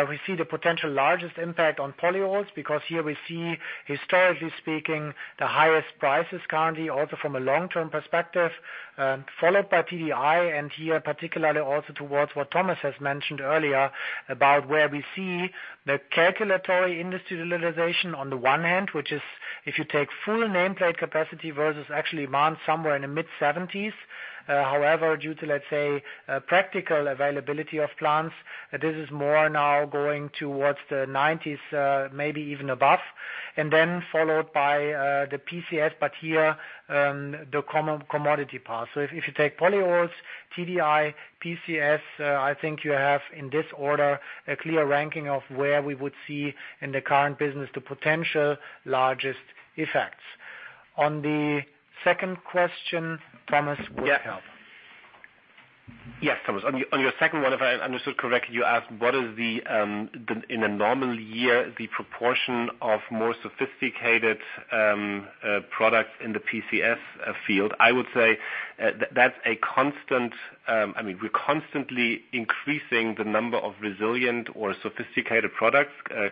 We see the potential largest impact on polyols, because here we see, historically speaking, the highest prices currently, also from a long-term perspective. Followed by TDI and here particularly also towards what Thomas has mentioned earlier about where we see the calculatory industrialization on the one hand, which is if you take full nameplate capacity versus actually demand somewhere in the mid-70s. However, due to practical availability of plants, this is more now going towards the 90s, maybe even above. Followed by the PCS, but here, the commodity part. If you take polyols, TDI, PCS, I think you have in this order a clear ranking of where we would see in the current business the potential largest effects. On the second question, Thomas would help. Yes, Thomas, on your second one, if I understood correctly, you asked what is, in a normal year, the proportion of more sophisticated products in the PCS field. I would say we're constantly increasing the number of resilient or sophisticated products.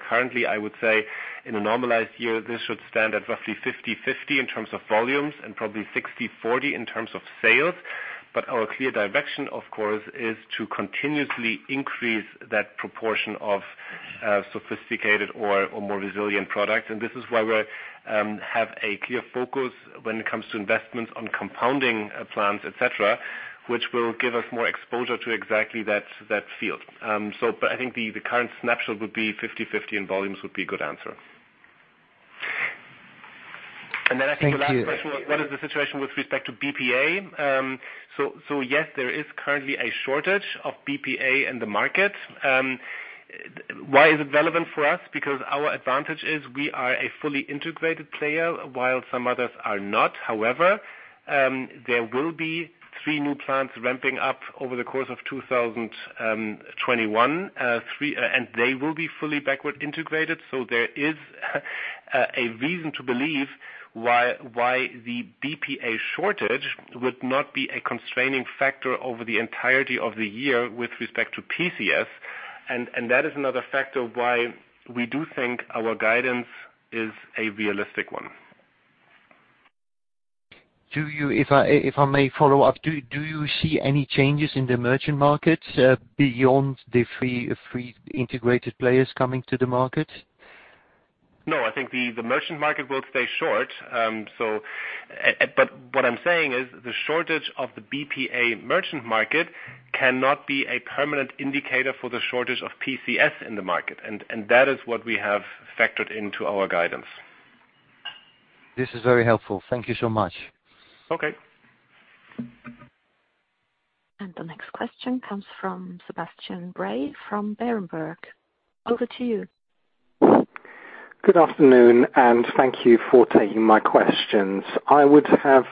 Currently, I would say in a normalized year, this should stand at roughly 50/50 in terms of volumes and probably 60/40 in terms of sales. Our clear direction, of course, is to continuously increase that proportion of sophisticated or more resilient products. This is why we have a clear focus when it comes to investments on compounding plants, et cetera, which will give us more exposure to exactly that field. I think the current snapshot would be 50/50 in volumes would be a good answer. Thank you. I think your last question was what is the situation with respect to BPA? Yes, there is currently a shortage of BPA in the market. Why is it relevant for us? Our advantage is we are a fully integrated player while some others are not. However, there will be three new plants ramping up over the course of 2021, and they will be fully backward integrated. There is a reason to believe why the BPA shortage would not be a constraining factor over the entirety of the year with respect to PCS. That is another factor why we do think our guidance is a realistic one. If I may follow up, do you see any changes in the merchant market beyond the three integrated players coming to the market? No, I think the merchant market will stay short. What I'm saying is, the shortage of the BPA merchant market cannot be a permanent indicator for the shortage of PCS in the market. That is what we have factored into our guidance. This is very helpful. Thank you so much. Okay. The next question comes from Sebastian Bray from Berenberg. Over to you. Good afternoon, and thank you for taking my questions. I would have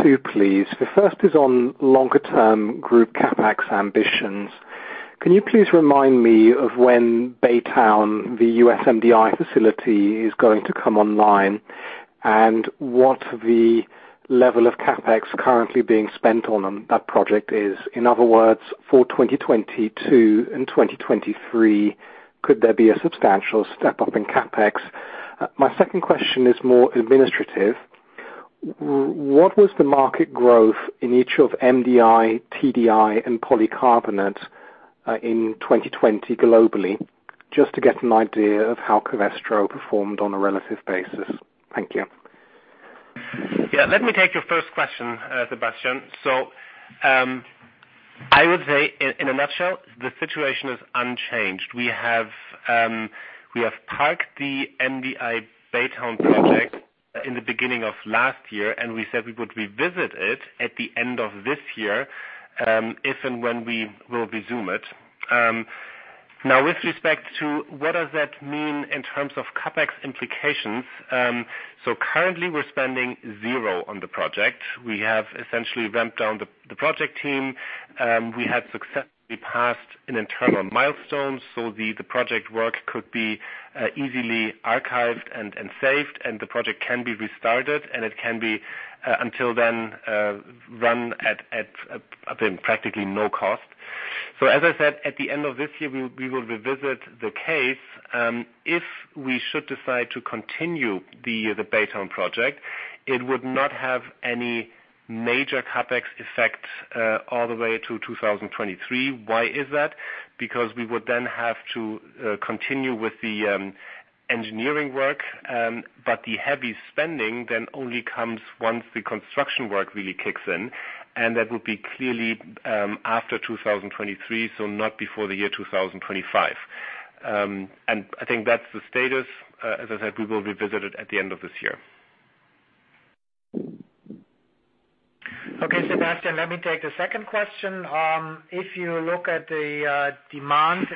two, please. The first is on longer-term group CapEx ambitions. Can you please remind me of when Baytown, the U.S. MDI facility, is going to come online, and what the level of CapEx currently being spent on that project is? In other words, for 2022 and 2023, could there be a substantial step-up in CapEx? My second question is more administrative. What was the market growth in each of MDI, TDI, and polycarbonate in 2020 globally? Just to get an idea of how Covestro performed on a relative basis. Thank you. Yeah. Let me take your first question, Sebastian. I would say, in a nutshell, the situation is unchanged. We have parked the MDI Baytown project in the beginning of last year, and we said we would revisit it at the end of this year, if and when we will resume it. Now with respect to what does that mean in terms of CapEx implications, so currently we're spending zero on the project. We have essentially ramped down the project team. We had successfully passed an internal milestone, so the project work could be easily archived and saved, and the project can be restarted, and it can be, until then, run at practically no cost. As I said, at the end of this year, we will revisit the case. If we should decide to continue the Baytown project, it would not have any major CapEx effects all the way to 2023. Why is that? Because we would then have to continue with the engineering work. The heavy spending then only comes once the construction work really kicks in, that would be clearly after 2023, so not before the year 2025. I think that's the status. As I said, we will revisit it at the end of this year. Okay, Sebastian, let me take the second question. If you look at the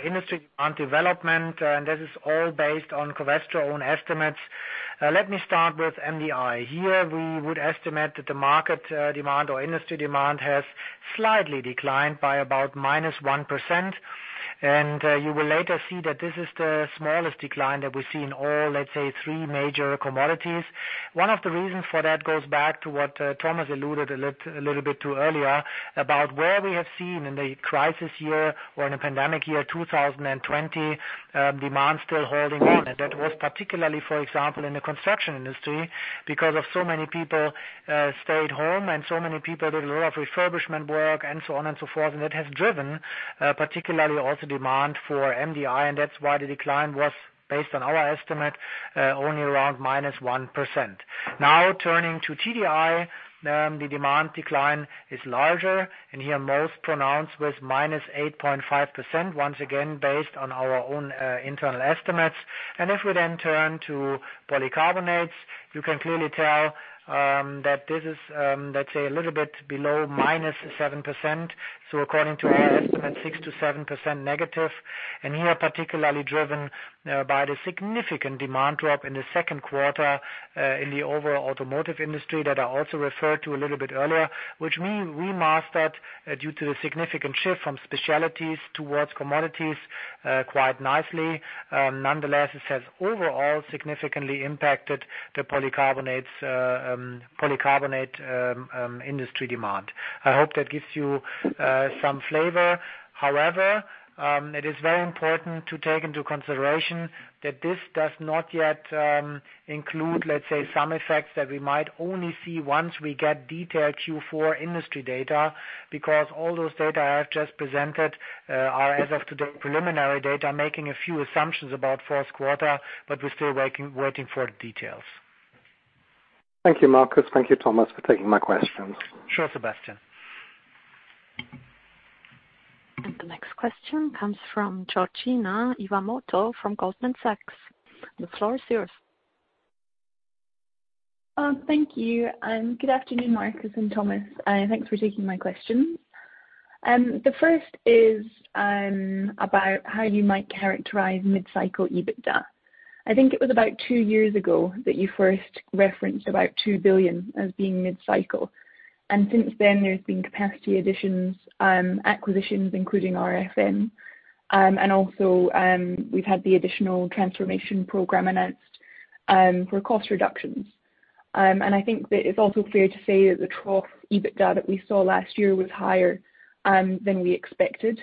industry demand development, and this is all based on Covestro own estimates. Let me start with MDI. Here, we would estimate that the market demand or industry demand has slightly declined by about -1%. You will later see that this is the smallest decline that we see in all, let's say, three major commodities. One of the reasons for that goes back to what Thomas alluded a little bit to earlier, about where we have seen in the crisis year or in the pandemic year 2020, demand still holding on. That was particularly, for example, in the construction industry, because of so many people stayed home and so many people did a lot of refurbishment work and so on and so forth. That has driven particularly also demand for MDI, and that's why the decline was based on our estimate, only around -1%. Turning to TDI. The demand decline is larger and here most pronounced with -8.5%, once again, based on our own internal estimates. If we then turn to polycarbonates, you can clearly tell that this is, let's say, a little bit below -7%. According to our estimate, 6%-7% negative, and here, particularly driven by the significant demand drop in the second quarter in the overall automotive industry that I also referred to a little bit earlier, which we mastered due to the significant shift from specialties towards commodities quite nicely. Nonetheless, this has overall significantly impacted the polycarbonate industry demand. I hope that gives you some flavor. However, it is very important to take into consideration that this does not yet include, let's say, some effects that we might only see once we get detailed Q4 industry data, because all those data I have just presented are as of today, preliminary data, making a few assumptions about first quarter, but we're still waiting for the details. Thank you, Markus. Thank you, Thomas, for taking my questions. Sure, Sebastian. The next question comes from Georgina Iwamoto from Goldman Sachs. The floor is yours. Thank you. Good afternoon, Markus and Thomas. Thanks for taking my questions. The first is about how you might characterize mid-cycle EBITDA. I think it was about two years ago that you first referenced about 2 billion as being mid-cycle. Since then, there's been capacity additions, acquisitions, including RFM. Also, we've had the additional transformation program announced for cost reductions. I think that it's also fair to say that the trough EBITDA that we saw last year was higher than we expected,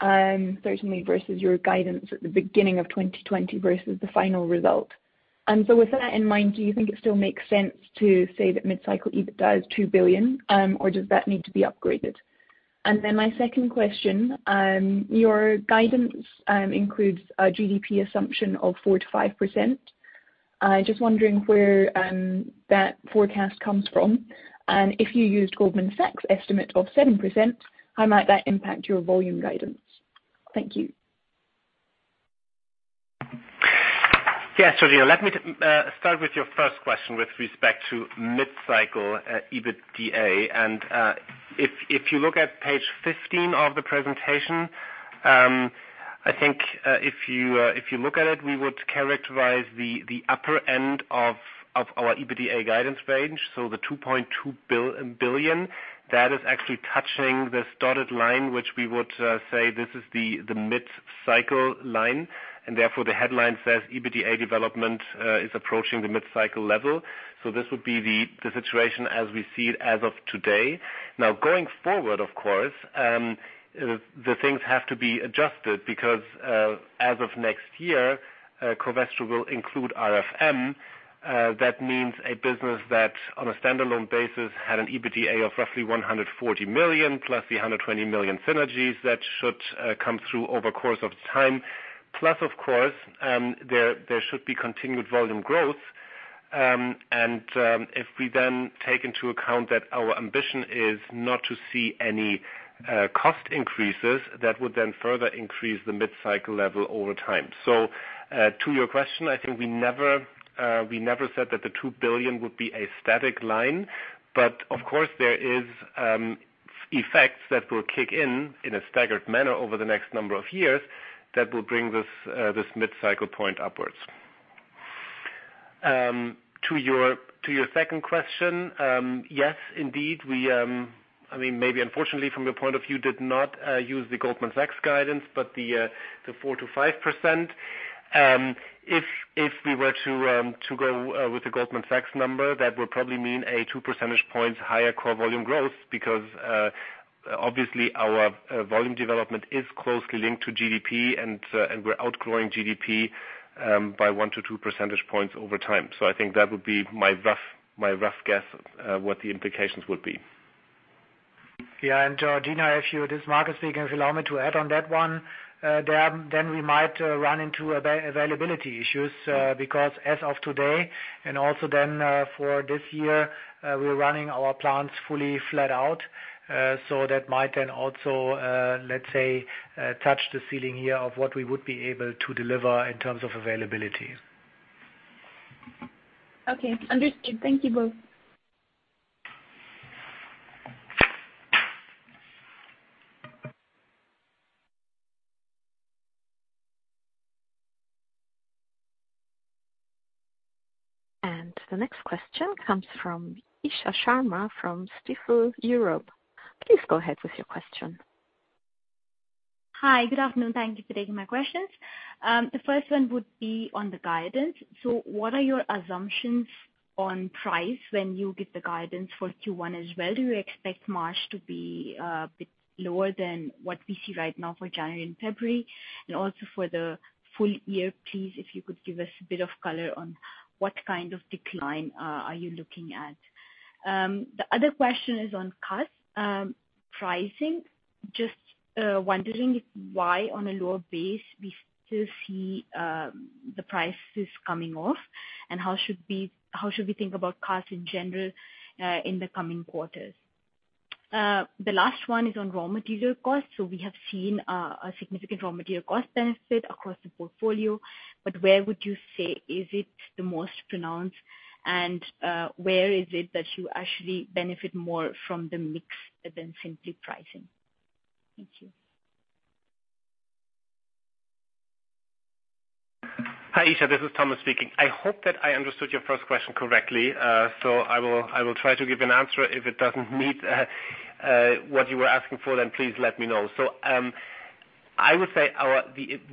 certainly versus your guidance at the beginning of 2020 versus the final result. With that in mind, do you think it still makes sense to say that mid-cycle EBITDA is 2 billion, or does that need to be upgraded? My second question, your guidance includes a GDP assumption of 4%-5%. Just wondering where that forecast comes from, and if you used Goldman Sachs estimate of 7%, how might that impact your volume guidance? Thank you. Yeah, Georgina, let me start with your first question with respect to mid-cycle EBITDA. If you look at page 15 of the presentation, I think if you look at it, we would characterize the upper end of our EBITDA guidance range. The 2.2 billion, that is actually touching this dotted line, which we would say this is the mid-cycle line, and therefore the headline says EBITDA development is approaching the mid-cycle level. This would be the situation as we see it as of today. Going forward, of course, the things have to be adjusted because, as of next year, Covestro will include RFM. That means a business that, on a standalone basis, had an EBITDA of roughly 140 million+EUR 320 million synergies that should come through over the course of time. Of course, there should be continued volume growth. If we take into account that our ambition is not to see any cost increases, that would further increase the mid-cycle level over time. To your question, I think we never said that the 2 billion would be a static line. Of course, there is effects that will kick in in a staggered manner over the next number of years that will bring this mid-cycle point upwards. To your second question, yes, indeed. Maybe unfortunately from your point of view, did not use the Goldman Sachs guidance, but the 4%-5%. If we were to go with the Goldman Sachs number, that would probably mean a two percentage points higher core volume growth because obviously our volume development is closely linked to GDP and we're outgrowing GDP by one to two percentage points over time. I think that would be my rough guess what the implications would be. Yeah. Georgina, this is Markus speaking. If you allow me to add on that one, we might run into availability issues, because as of today, for this year, we're running our plants fully flat out. That might also, let's say, touch the ceiling here of what we would be able to deliver in terms of availability. Okay, understood. Thank you both. The next question comes from Isha Sharma from Stifel Europe. Please go ahead with your question. Hi. Good afternoon. Thank you for taking my questions. The first one would be on the guidance. What are your assumptions on price when you give the guidance for Q1 as well? Do you expect March to be a bit lower than what we see right now for January and February? Also for the full year, please, if you could give us a bit of color on what kind of decline are you looking at. The other question is on Pricing. Just wondering why on a lower base, we still see the prices coming off, and how should we think about costs in general, in the coming quarters? The last one is on raw material costs. We have seen a significant raw material cost benefit across the portfolio, but where would you say is it the most pronounced, and where is it that you actually benefit more from the mix than simply pricing? Thank you. Hi, Isha. This is Thomas speaking. I hope that I understood your first question correctly, so I will try to give an answer. If it doesn't meet what you were asking for, then please let me know. I would say,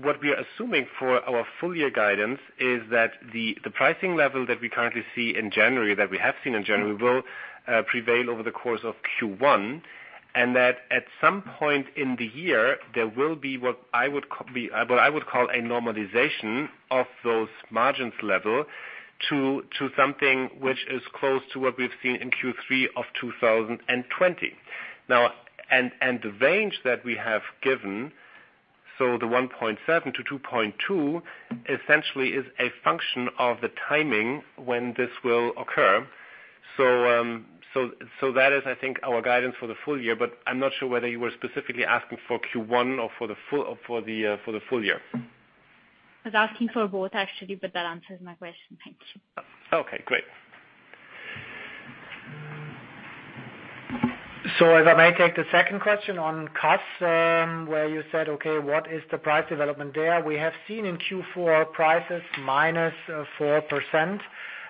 what we are assuming for our full year guidance is that the pricing level that we currently see in January, that we have seen in January, will prevail over the course of Q1. That at some point in the year, there will be what I would call a normalization of those margins level to something which is close to what we've seen in Q3 of 2020. The range that we have given, so the 1.7-2.2, essentially is a function of the timing when this will occur. That is, I think, our guidance for the full year, but I'm not sure whether you were specifically asking for Q1 or for the full year. I was asking for both, actually, but that answers my question. Thank you. Okay, great. If I may take the second question on costs, where you said, okay, what is the price development there? We have seen in Q4 prices -4%.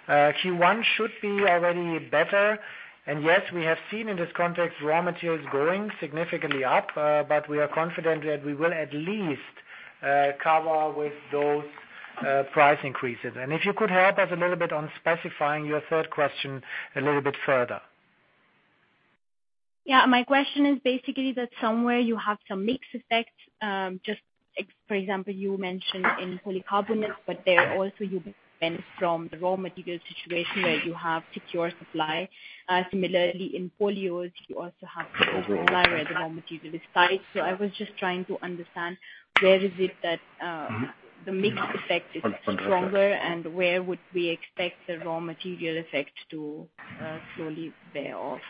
Q1 should be already better. Yes, we have seen in this context, raw materials going significantly up. We are confident that we will at least cover with those price increases. If you could help us a little bit on specifying your third question a little bit further. Yeah, my question is basically that somewhere you have some mix effects, just for example, you mentioned in polycarbonates, but there also you benefit from the raw material situation where you have secure supply. Similarly, in polyols, you also have secure supply where the raw material is tight. The mix effect is stronger and where would we expect the raw material effect to slowly bear off?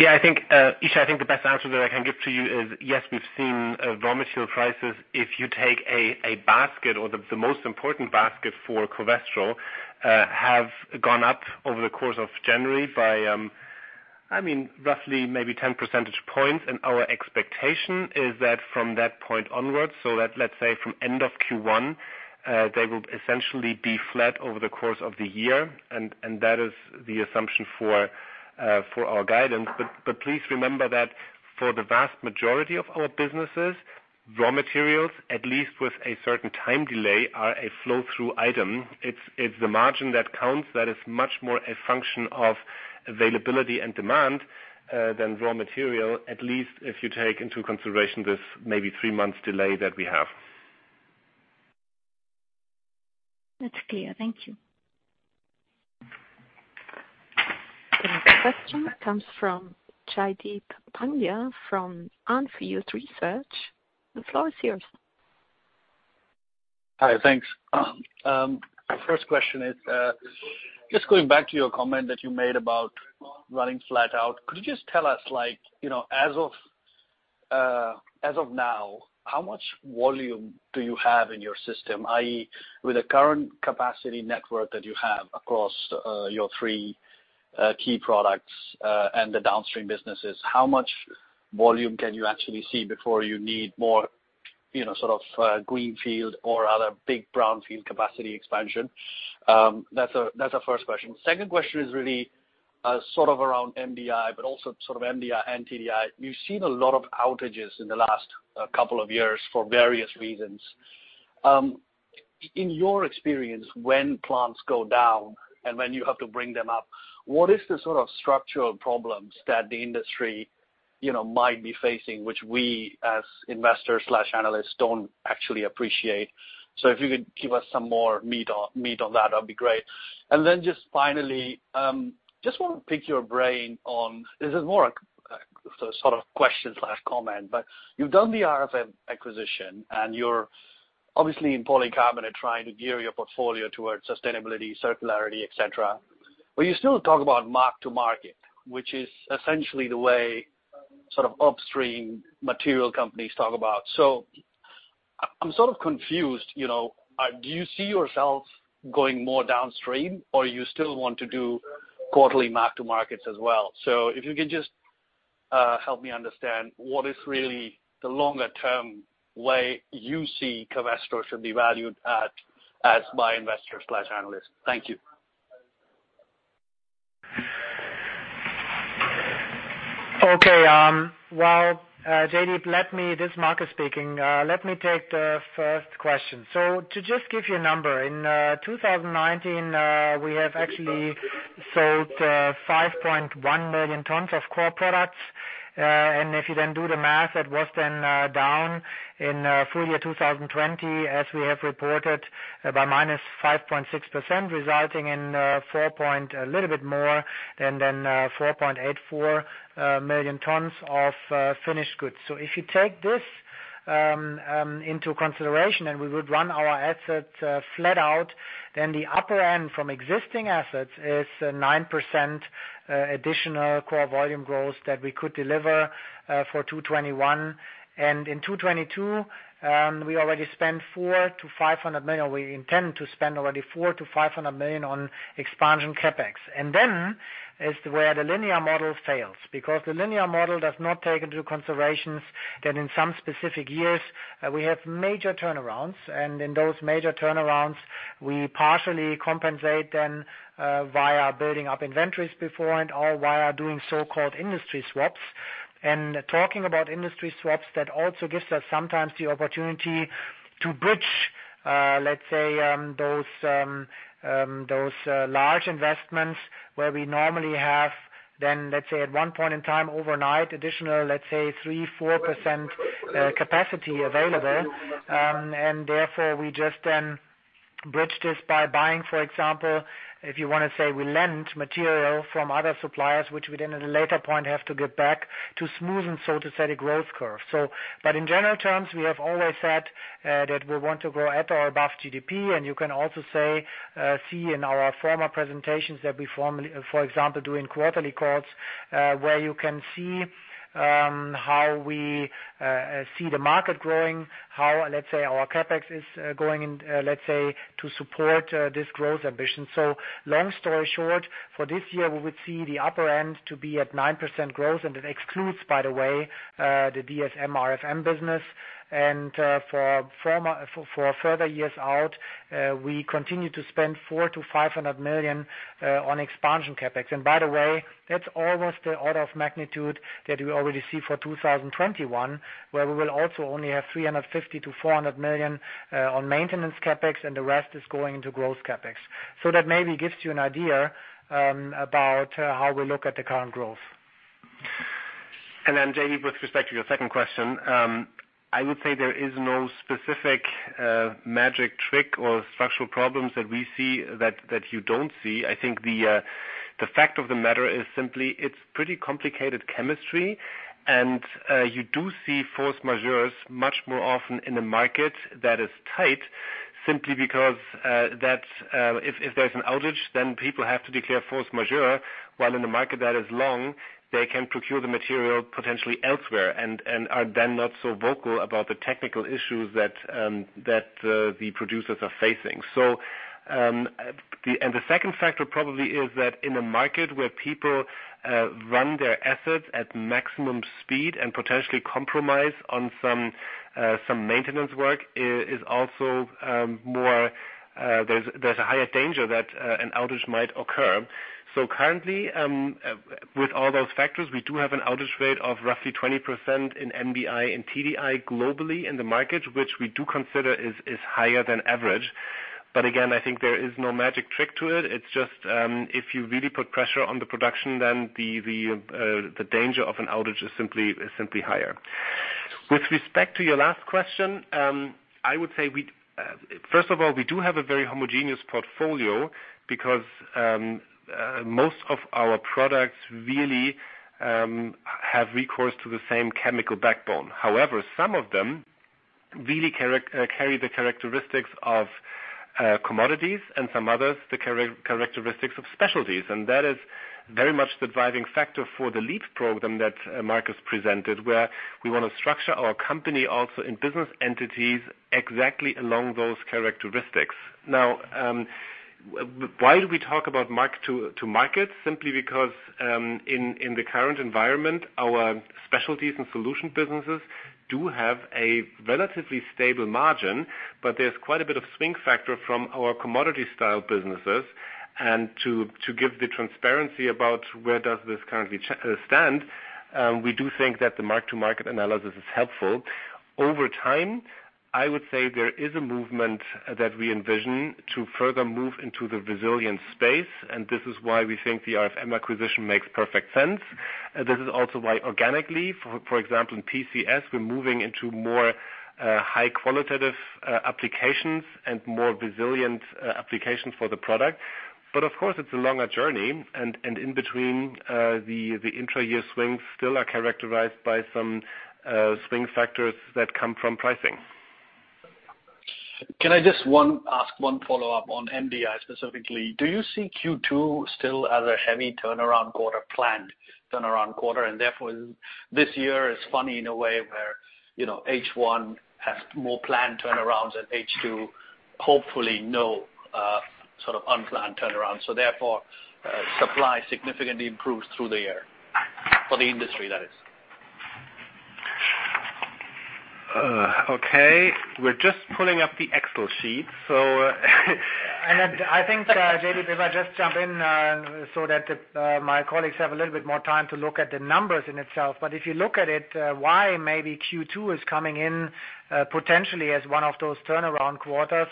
Yeah, Isha, I think the best answer that I can give to you is, yes, we've seen raw material prices. If you take a basket or the most important basket for Covestro, have gone up over the course of January by roughly maybe 10 percentage points. Our expectation is that from that point onwards, so let's say from end of Q1, they will essentially be flat over the course of the year. That is the assumption for our guidance. Please remember that for the vast majority of our businesses, raw materials, at least with a certain time delay, are a flow-through item. It's the margin that counts that is much more a function of availability and demand, than raw material, at least if you take into consideration this maybe three-months delay that we have. That's clear. Thank you. The next question comes from Jaideep Pandya from On Field Investment Research. The floor is yours. Hi. Thanks. First question is, just going back to your comment that you made about running flat out. Could you just tell us, as of now, how much volume do you have in your system, i.e., with the current capacity network that you have across your three key products, and the downstream businesses, how much volume can you actually see before you need more sort of greenfield or other big brownfield capacity expansion? That's the first question. Second question is really sort of around MDI, but also sort of MDI and TDI. We've seen a lot of outages in the last couple of years for various reasons. In your experience, when plants go down and when you have to bring them up, what is the sort of structural problems that the industry might be facing, which we, as investors/analysts, don't actually appreciate? If you could give us some more meat on that'd be great. Just finally, just want to pick your brain on. This is more a sort of question/comment, but you've done the RFM acquisition, and you're obviously in polycarbonate trying to gear your portfolio towards sustainability, circularity, et cetera. You still talk about mark-to-market, which is essentially the way sort of upstream material companies talk about. I'm sort of confused. Do you see yourself going more downstream, or you still want to do quarterly mark-to-markets as well? If you could just help me understand what is really the longer-term way you see Covestro should be valued at as by investors/analysts. Thank you. Okay. Well, Jaideep, this is Markus speaking. Let me take the first question. To just give you a number, in 2019, we have actually sold 5.1 million tons of core products. If you then do the math, that was then down in full year 2020, as we have reported, by -5.6%, resulting in a little bit more than 4.84 million tons of finished goods. If you take this into consideration and we would run our assets flat out, then the upper end from existing assets is 9% additional core volume growth that we could deliver for 2021. In 2022, we already spent 400 million-500 million. We intend to spend already 400 million-500 million on expansion CapEx. Then is where the linear model fails. Because the linear model does not take into considerations that in some specific years, we have major turnarounds. In those major turnarounds, we partially compensate then via building up inventories before and/or via doing so-called industry swaps. Talking about industry swaps, that also gives us sometimes the opportunity to bridge, let's say, those large investments where we normally have then, let's say, at one point in time overnight, additional, let's say 3%, 4% capacity available. Therefore, we just then bridge this by buying, for example, if you want to say we lend material from other suppliers, which we then at a later point have to give back to smoothen, so to say, the growth curve. In general terms, we have always said that we want to grow at or above GDP, and you can also see in our former presentations that we formerly, for example, doing quarterly calls, where you can see how we see the market growing, how let's say our CapEx is going in to support this growth ambition. Long story short, for this year, we would see the upper end to be at 9% growth, and it excludes, by the way, the DSM RFM business. For further years out, we continue to spend 400 million-500 million on expansion CapEx. By the way, that's almost the order of magnitude that we already see for 2021, where we will also only have 350 million-400 million on maintenance CapEx, and the rest is going into growth CapEx. That maybe gives you an idea about how we look at the current growth. Then, Jaideep, with respect to your second question, I would say there is no specific magic trick or structural problems that we see that you don't see. I think the fact of the matter is simply it's pretty complicated chemistry. You do see force majeures much more often in a market that is tight simply because if there's an outage, then people have to declare force majeure, while in a market that is long, they can procure the material potentially elsewhere and are then not so vocal about the technical issues that the producers are facing. The second factor probably is that in a market where people run their assets at maximum speed and potentially compromise on some maintenance work is also there's a higher danger that an outage might occur. Currently, with all those factors, we do have an outage rate of roughly 20% in MDI and TDI globally in the market, which we do consider is higher than average. Again, I think there is no magic trick to it. It's just if you really put pressure on the production, then the danger of an outage is simply higher. With respect to your last question, I would say, first of all, we do have a very homogeneous portfolio because most of our products really have recourse to the same chemical backbone. However, some of them really carry the characteristics of commodities and some others the characteristics of specialties. That is very much the driving factor for the LEAP program that Markus presented, where we want to structure our company also in business entities exactly along those characteristics. Why do we talk about mark-to-market? Simply because in the current environment, our specialties and solution businesses do have a relatively stable margin, but there's quite a bit of swing factor from our commodity-style businesses. To give the transparency about where does this currently stand, we do think that the mark-to-market analysis is helpful. Over time, I would say there is a movement that we envision to further move into the resilient space, this is why we think the RFM acquisition makes perfect sense. This is also why organically, for example, in PCS, we're moving into more high qualitative applications and more resilient applications for the product. Of course, it's a longer journey, and in between, the intra-year swings still are characterized by some swing factors that come from pricing. Can I just ask one follow-up on MDI specifically? Do you see Q2 still as a heavy turnaround quarter planned, turnaround quarter, therefore this year is funny in a way where H1 has more planned turnarounds and H2 hopefully no sort of unplanned turnaround. Therefore, supply significantly improves through the year. For the industry, that is. Okay. We're just pulling up the Excel sheet. I think, Jaideep., if I just jump in so that my colleagues have a little bit more time to look at the numbers in itself. If you look at it, why maybe Q2 is coming in potentially as one of those turnaround quarters.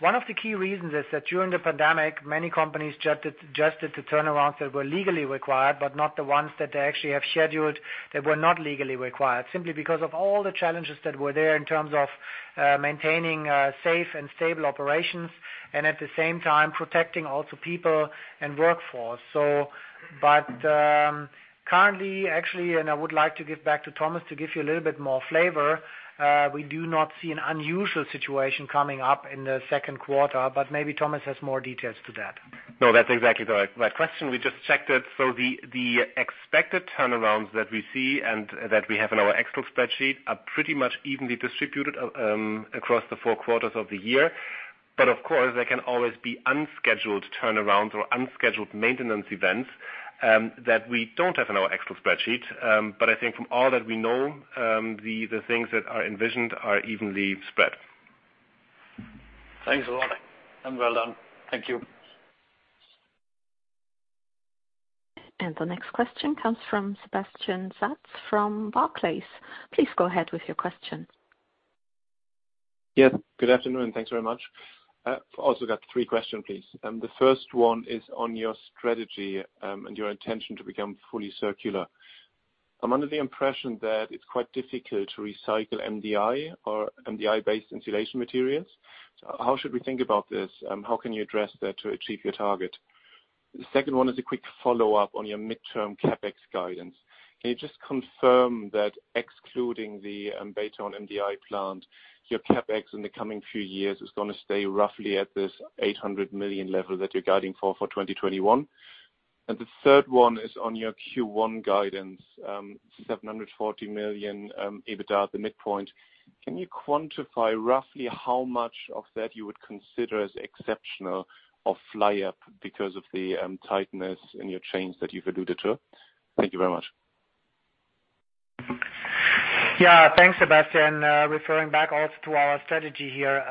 One of the key reasons is that during the pandemic, many companies just adjusted to turnarounds that were legally required, but not the ones that they actually have scheduled that were not legally required, simply because of all the challenges that were there in terms of maintaining safe and stable operations and at the same time protecting also people and workforce. Currently, actually, I would like to give back to Thomas to give you a little bit more flavor. We do not see an unusual situation coming up in the second quarter, but maybe Thomas has more details to that. No, that's exactly the right question. We just checked it. The expected turnarounds that we see and that we have in our Excel spreadsheet are pretty much evenly distributed across the four quarters of the year. Of course, there can always be unscheduled turnarounds or unscheduled maintenance events, that we don't have in our Excel spreadsheet. I think from all that we know, the things that are envisioned are evenly spread. Thanks a lot, and well done. Thank you. The next question comes from Sebastian Satz from Barclays. Please go ahead with your question. Yes. Good afternoon, and thanks very much. I've also got three questions, please. The first one is on your strategy, and your intention to become fully circular. I'm under the impression that it's quite difficult to recycle MDI or MDI-based insulation materials. How should we think about this? How can you address that to achieve your target? The second one is a quick follow-up on your midterm CapEx guidance. Can you just confirm that excluding the Baytown MDI plant, your CapEx in the coming few years is going to stay roughly at this 800 million level that you're guiding for 2021? The third one is on your Q1 guidance, 740 million EBITDA at the midpoint. Can you quantify roughly how much of that you would consider as exceptional or fly up because of the tightness in your chains that you've alluded to? Thank you very much. Yeah. Thanks, Sebastian. Referring back also to our strategy here.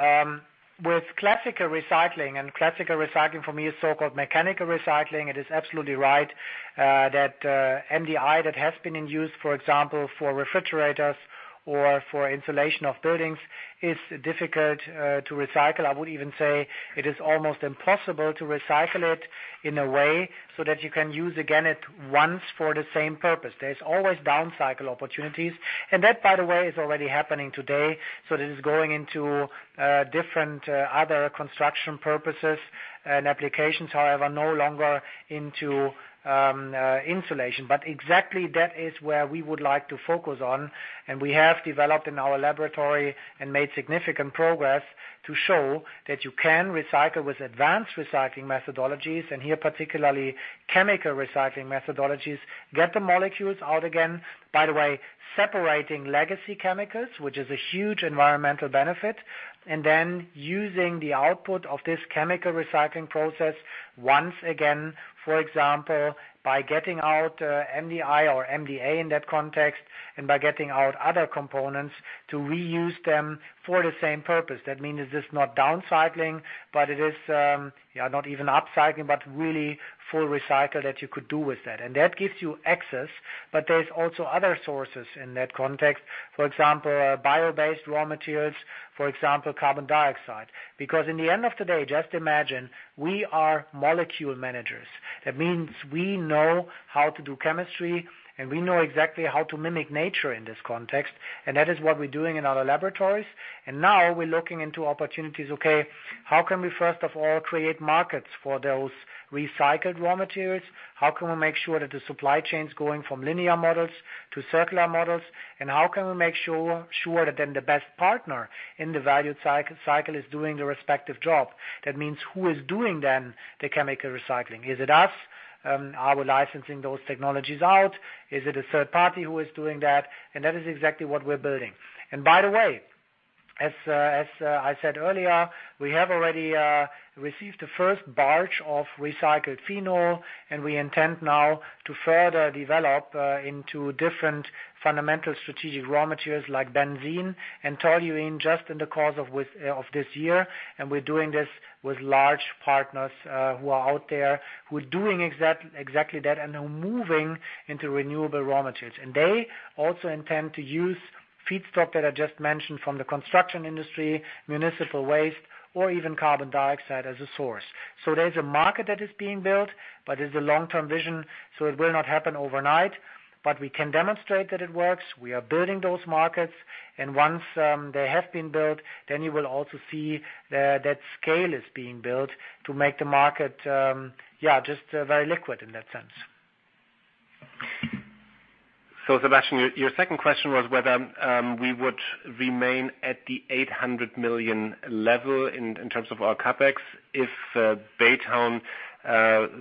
With classical recycling, and classical recycling for me is so-called mechanical recycling. It is absolutely right that, MDI that has been in use, for example, for refrigerators or for insulation of buildings, is difficult to recycle. I would even say it is almost impossible to recycle it in a way so that you can use again at once for the same purpose. There's always down cycle opportunities, and that, by the way, is already happening today. This is going into different other construction purposes and applications, however, no longer into insulation. Exactly that is where we would like to focus on, and we have developed in our laboratory and made significant progress to show that you can recycle with advanced recycling methodologies, and here, particularly chemical recycling methodologies, get the molecules out again, by the way, separating legacy chemicals, which is a huge environmental benefit, and then using the output of this chemical recycling process once again, for example, by getting out MDI or MDA in that context, and by getting out other components to reuse them for the same purpose. That means it is not down cycling, but it is, not even upcycling, but really full recycle that you could do with that. That gives you access. There's also other sources in that context. For example, bio-based raw materials, for example, carbon dioxide. In the end of the day, just imagine, we are molecule managers. That means we know how to do chemistry, and we know exactly how to mimic nature in this context, and that is what we're doing in our laboratories. Now we're looking into opportunities, okay, how can we, first of all, create markets for those recycled raw materials? How can we make sure that the supply chain is going from linear models to circular models? How can we make sure that then the best partner in the value cycle is doing the respective job? That means who is doing then the chemical recycling? Is it us? Are we licensing those technologies out? Is it a third party who is doing that? That is exactly what we're building. By the way, as I said earlier, we have already received the first barge of recycled phenol, and we intend now to further develop into different fundamental strategic raw materials like benzene and toluene just in the course of this year. We're doing this with large partners who are out there, who are doing exactly that and are moving into renewable raw materials. They also intend to use feedstock that I just mentioned from the construction industry, municipal waste or even carbon dioxide as a source. There's a market that is being built, but it's a long-term vision, so it will not happen overnight. We can demonstrate that it works. We are building those markets, and once they have been built, then you will also see that scale is being built to make the market, just very liquid in that sense. Sebastian, your second question was whether we would remain at the 800 million level in terms of our CapEx if Baytown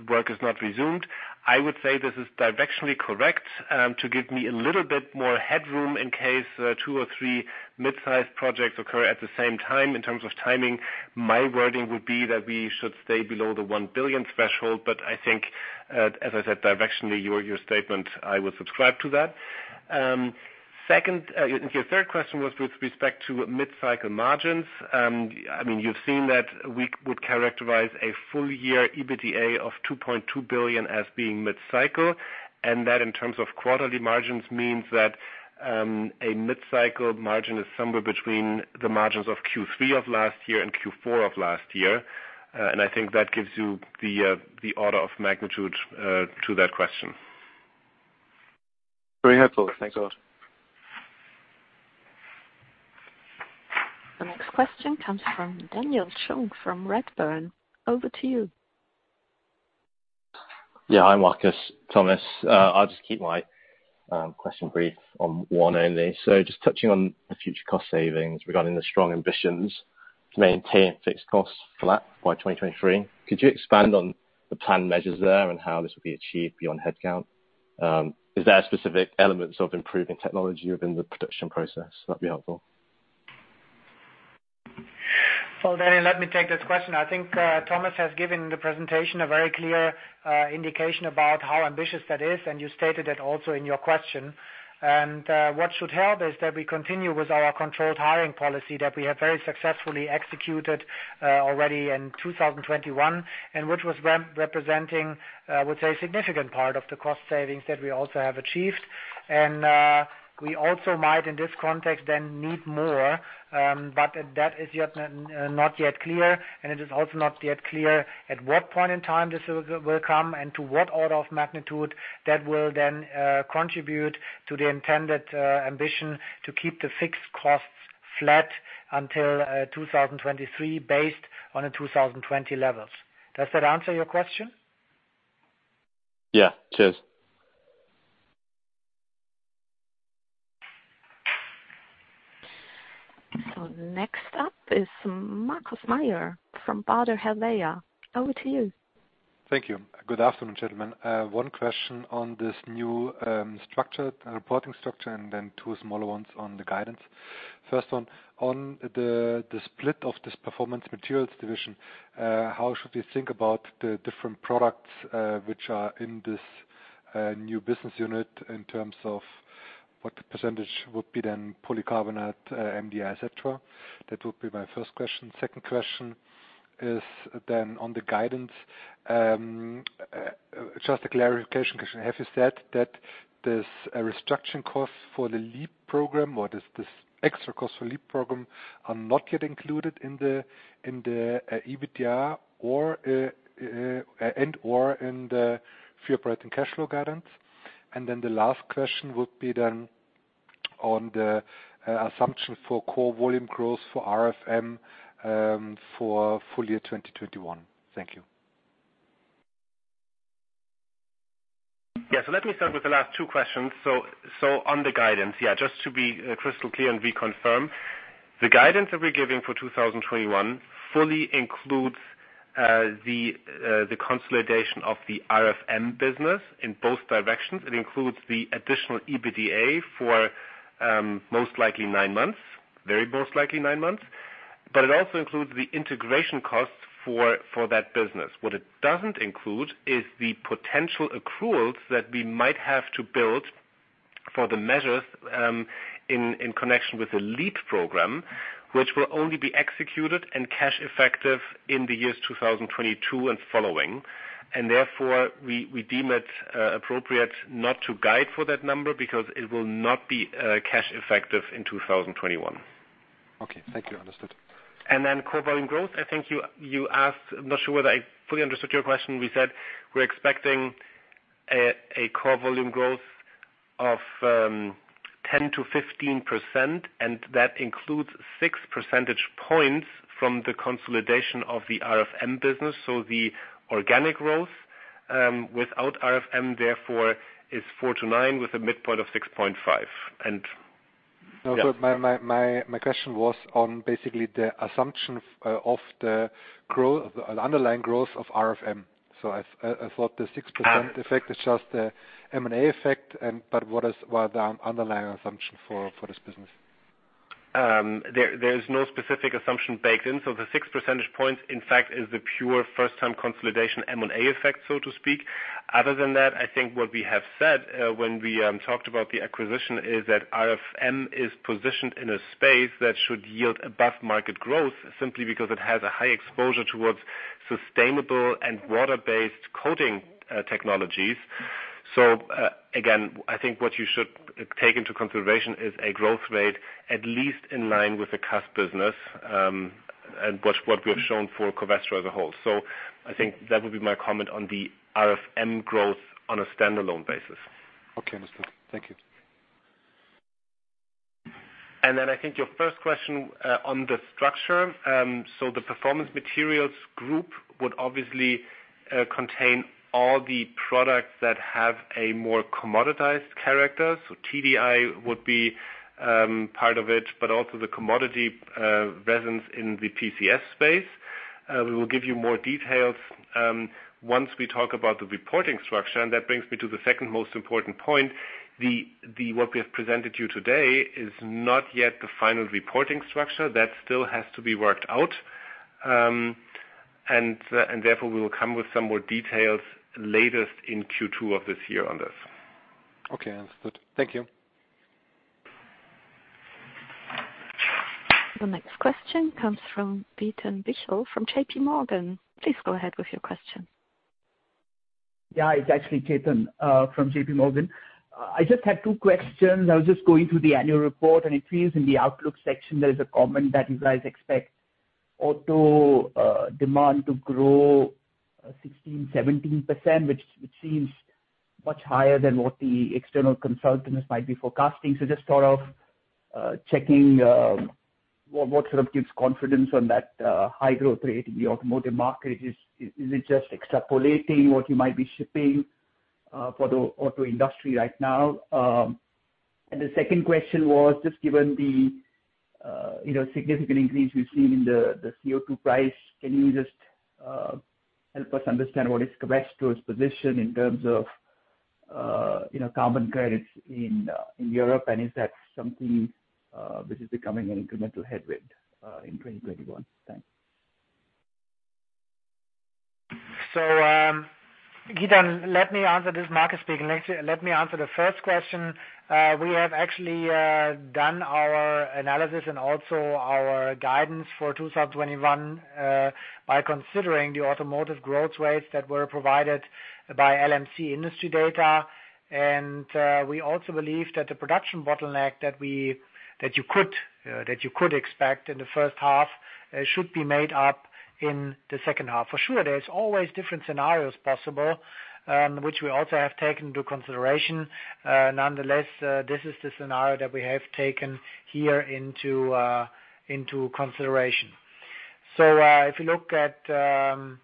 work is not resumed. I would say this is directionally correct. To give me a little bit more headroom in case two or three mid-size projects occur at the same time in terms of timing, my wording would be that we should stay below the 1 billion threshold. I think, as I said, directionally, your statement, I would subscribe to that. Your third question was with respect to mid-cycle margins. You've seen that we would characterize a full year EBITDA of 2.2 billion as being mid-cycle, that in terms of quarterly margins means that, a mid-cycle margin is somewhere between the margins of Q3 of last year and Q4 of last year. I think that gives you the order of magnitude to that question. Very helpful. Thanks a lot. The next question comes from Daniel Cheung from Redburn. Over to you. Yeah. Hi, Markus, Thomas. I'll just keep my question brief on one only. Just touching on the future cost savings regarding the strong ambitions to maintain fixed costs flat by 2023. Could you expand on the planned measures there and how this will be achieved beyond headcount? Is there specific elements of improving technology within the production process that'd be helpful? Daniel, let me take this question. I think Thomas has given the presentation a very clear indication about how ambitious that is, and you stated it also in your question. What should help is that we continue with our controlled hiring policy that we have very successfully executed already in 2021, and which was representing, I would say, a significant part of the cost savings that we also have achieved. We also might, in this context, then need more, but that is not yet clear, and it is also not yet clear at what point in time this will come and to what order of magnitude that will then contribute to the intended ambition to keep the fixed costs flat until 2023 based on the 2020 levels. Does that answer your question? Yeah. Cheers. Next up is Markus Mayer from Baader Helvea. Over to you. Thank you. Good afternoon, gentlemen. One question on this new structure, reporting structure, and then two smaller ones on the guidance. First one, on the split of this Performance Materials division, how should we think about the different products which are in this new business unit in terms of what the percentage would be then polycarbonate, MDI, et cetera? That would be my first question. Second question is then on the guidance. Just a clarification question. Have you said that this restructuring cost for the LEAP program or this extra cost for LEAP program are not yet included in the EBITDA and/or in the free operating cash flow guidance? The last question would be then on the assumption for core volume growth for RFM for full year 2021. Let me start with the last two questions. On the guidance, just to be crystal clear and reconfirm, the guidance that we're giving for 2021 fully includes the consolidation of the RFM business in both directions. It includes the additional EBITDA for most likely nine months, very most likely nine months. It also includes the integration costs for that business. What it doesn't include is the potential accruals that we might have to build for the measures in connection with the LEAP program, which will only be executed and cash effective in the years 2022 and following. Therefore, we deem it appropriate not to guide for that number because it will not be cash effective in 2021. Okay. Thank you. Understood. Core volume growth, I think you asked, I'm not sure whether I fully understood your question. We said we're expecting a core volume growth of 10%-15%. That includes six percentage points from the consolidation of the RFM business. The organic growth, without RFM therefore, is 4%-9% with a midpoint of 6.5%. No. Yeah. My question was on basically the assumption of the underlying growth of RFM. I thought the 6% effect is just the M&A effect and, but what are the underlying assumption for this business? There is no specific assumption baked in. The six percentage points, in fact, is the pure first-time consolidation M&A effect, so to speak. Other than that, I think what we have said, when we talked about the acquisition, is that RFM is positioned in a space that should yield above market growth simply because it has a high exposure towards sustainable and water-based coating technologies. Again, I think what you should take into consideration is a growth rate at least in line with the CAS business, and what we have shown for Covestro as a whole. I think that would be my comment on the RFM growth on a standalone basis. Okay, understood. Thank you. Then I think your first question, on the structure. The Performance Materials Group would obviously contain all the products that have a more commoditized character. TDI would be part of it, but also the commodity resins in the PCS space. We will give you more details once we talk about the reporting structure. That brings me to the second most important point. What we have presented you today is not yet the final reporting structure. That still has to be worked out. Therefore, we will come with some more details latest in Q2 of this year on this. Okay. Understood. Thank you. The next question comes from Chetan Udeshi from JPMorgan. Please go ahead with your question. Yeah. It's actually Chetan, from JPMorgan. I just had two questions. I was just going through the annual report. It seems in the outlook section there is a comment that you guys expect Auto demand to grow 16%, 17%, which seems much higher than what the external consultants might be forecasting. Just sort of checking what sort of gives confidence on that high growth rate in the automotive market. Is it just extrapolating what you might be shipping for the auto industry right now? The second question was just given the significant increase we've seen in the CO2 price, can you just help us understand what is Covestro's position in terms of carbon credits in Europe? Is that something which is becoming an incremental headwind in 2021? Thanks. Chetan, let me answer this. Markus speaking. Let me answer the first question. We have actually done our analysis and also our guidance for 2021, by considering the automotive growth rates that were provided by LMC Industry Data. We also believe that the production bottleneck that you could expect in the first half should be made up in the second half. For sure, there's always different scenarios possible, which we also have taken into consideration. Nonetheless, this is the scenario that we have taken here into consideration. If you look at the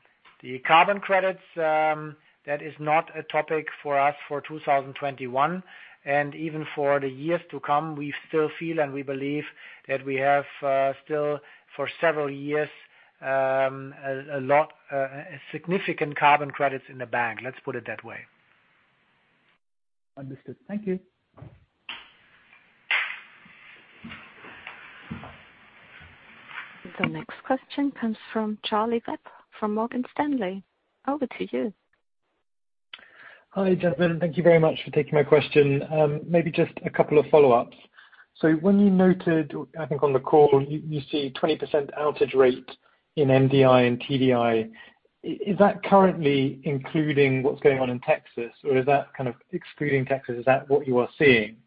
carbon credits, that is not a topic for us for 2021. Even for the years to come, we still feel, and we believe that we have, still for several years, a lot significant carbon credits in the bank. Let's put it that way. Understood. Thank you. The next question comes from Charlie Webb, from Morgan Stanley. Over to you. Hi, gentlemen. Thank you very much for taking my question. Maybe just a couple of follow-ups. When you noted, I think, on the call, you see 20% outage rate in MDI and TDI. Is that currently including what's going on in Texas, or is that kind of excluding Texas? Is that what you are seeing?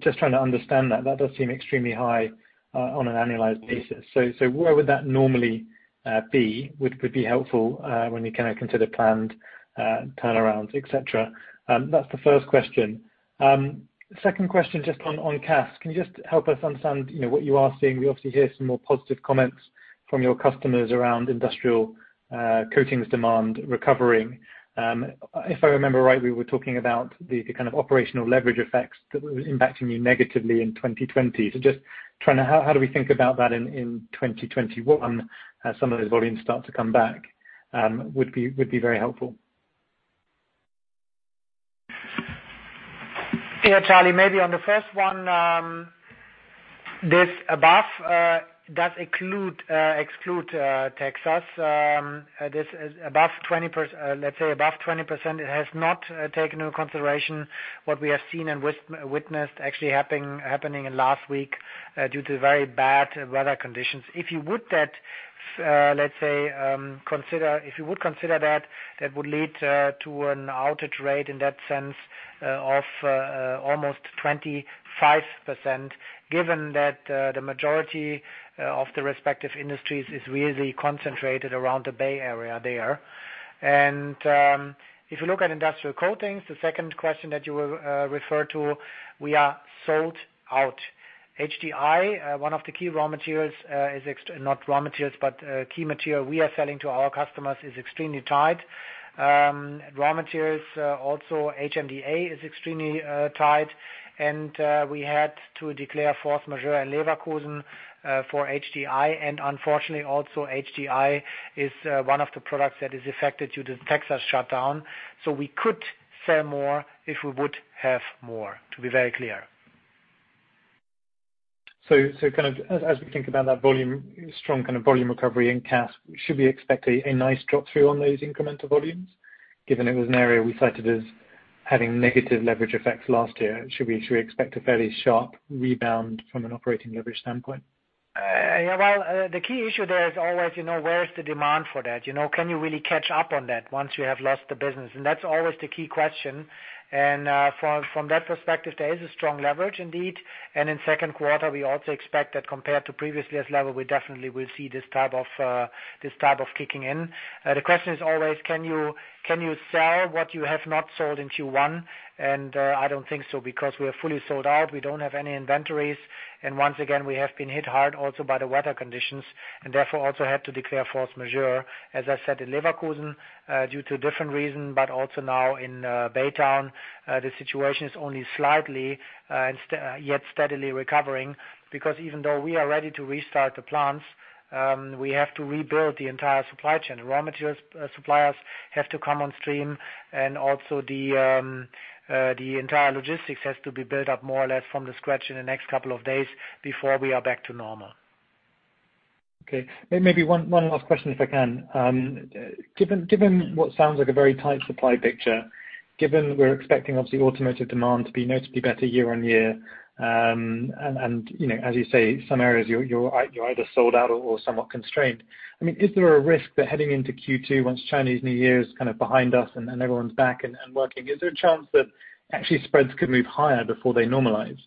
Just trying to understand that. That does seem extremely high, on an annualized basis. Where would that normally be, would be helpful, when you kind of consider planned turnarounds, et cetera. That's the first question. Second question, just on CAS. Can you just help us understand what you are seeing? We obviously hear some more positive comments from your customers around industrial coatings demand recovering. If I remember right, we were talking about the kind of operational leverage effects that were impacting you negatively in 2020. How do we think about that in 2021 as some of those volumes start to come back? Would be very helpful. Charlie, maybe on the first one, this above does [include]/exclude Texas. Let's say above 20%, it has not taken into consideration what we have seen and witnessed actually happening in last week, due to very bad weather conditions. If you would consider that would lead to an outage rate in that sense of almost 25%, given that the majority of the respective industries is really concentrated around the Gulf Coast area there. If you look at industrial coatings, the second question that you referred to, we are sold out. HDI, one of the key material we are selling to our customers is extremely tight. Raw materials, also HMDA is extremely tight. We had to declare force majeure in Leverkusen, for HDI. Unfortunately, also HDI is one of the products that is affected due to Texas shutdown. We could sell more if we would have more, to be very clear. As we think about that strong kind of volume recovery in CAS, should we expect a nice drop-through on those incremental volumes, given it was an area we cited as having negative leverage effects last year? Should we expect a fairly sharp rebound from an operating leverage standpoint? Yeah, well, the key issue there is always where is the demand for that? Can you really catch up on that once you have lost the business? That's always the key question. From that perspective, there is a strong leverage indeed. In second quarter, we also expect that compared to previous year's level, we definitely will see this type of kicking in. The question is always, can you sell what you have not sold in Q1? I don't think so because we're fully sold out. We don't have any inventories. Once again, we have been hit hard also by the weather conditions and therefore also had to declare force majeure, as I said in Leverkusen, due to different reason, but also now in Baytown. The situation is only slightly, yet steadily recovering because even though we are ready to restart the plants, we have to rebuild the entire supply chain. Raw materials suppliers have to come on stream and also the entire logistics has to be built up more or less from the scratch in the next couple of days before we are back to normal. Okay. Maybe one last question if I can. Given what sounds like a very tight supply picture, given we're expecting obviously automotive demand to be noticeably better year-on-year, and as you say, some areas you're either sold out or somewhat constrained, is there a risk that heading into Q2, once Chinese New Year is kind of behind us and everyone's back and working, is there a chance that actually spreads could move higher before they normalize?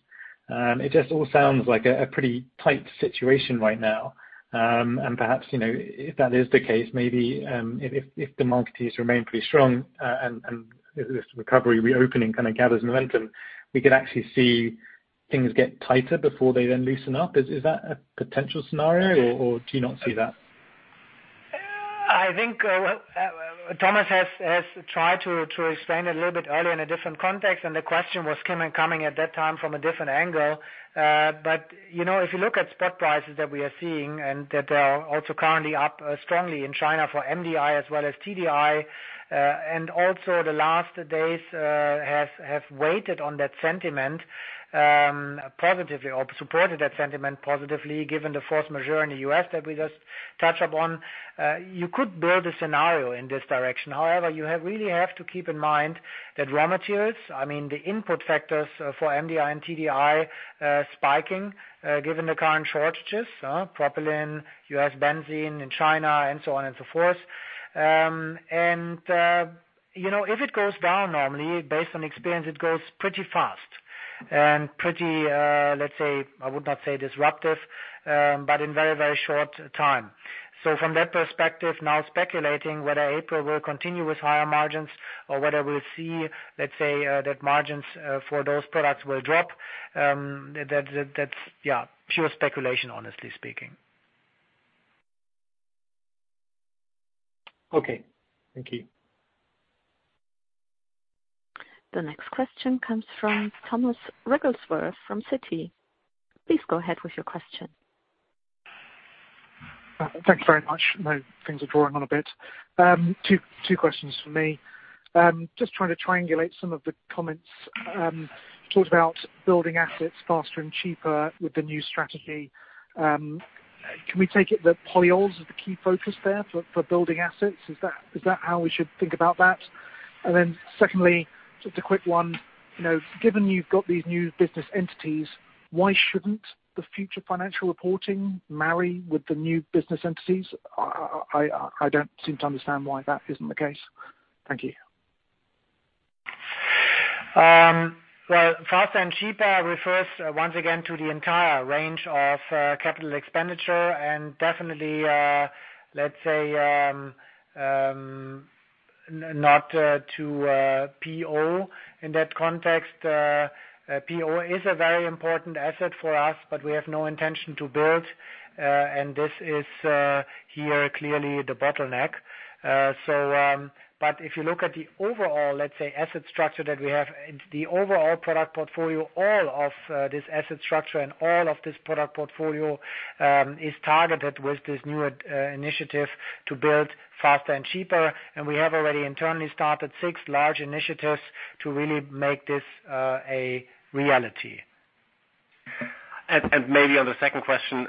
It just all sounds like a pretty tight situation right now. Perhaps, if that is the case, maybe if demand continues to remain pretty strong and this recovery reopening kind of gathers momentum, we could actually see things get tighter before they then loosen up. Is that a potential scenario or do you not see that? I think Thomas has tried to explain a little bit earlier in a different context, and the question was coming at that time from a different angle. If you look at spot prices that we are seeing, and that they are also currently up strongly in China for MDI as well as TDI, and also the last days have waited on that sentiment positively or supported that sentiment positively given the force majeure in the U.S. that we just touched upon, you could build a scenario in this direction. You really have to keep in mind that raw materials, I mean, the input factors for MDI and TDI spiking, given the current shortages, propylene, U.S. benzene in China, and so on and so forth. If it goes down normally, based on experience, it goes pretty fast and pretty, I would not say disruptive, but in very short time. From that perspective, now speculating whether April will continue with higher margins or whether we'll see, let's say, that margins for those products will drop. That's pure speculation, honestly speaking. Okay. Thank you. The next question comes from Tom Wrigglesworth from Citi. Please go ahead with your question. Thanks very much. Things are drawing on a bit. Two questions from me. Just trying to triangulate some of the comments. Talked about building assets faster and cheaper with the new strategy. Can we take it that polyols are the key focus there for building assets? Is that how we should think about that? Secondly, just a quick one. Given you've got these new business entities, why shouldn't the future financial reporting marry with the new business entities? I don't seem to understand why that isn't the case. Thank you. Well, faster and cheaper refers, once again, to the entire range of capital expenditure and definitely, let's say, not to PO in that context. PO is a very important asset for us, but we have no intention to build, and this is clearly the bottleneck. If you look at the overall, let's say, asset structure that we have and the overall product portfolio, all of this asset structure and all of this product portfolio is targeted with this new initiative to build faster and cheaper. We have already internally started six large initiatives to really make this a reality. Maybe on the second question,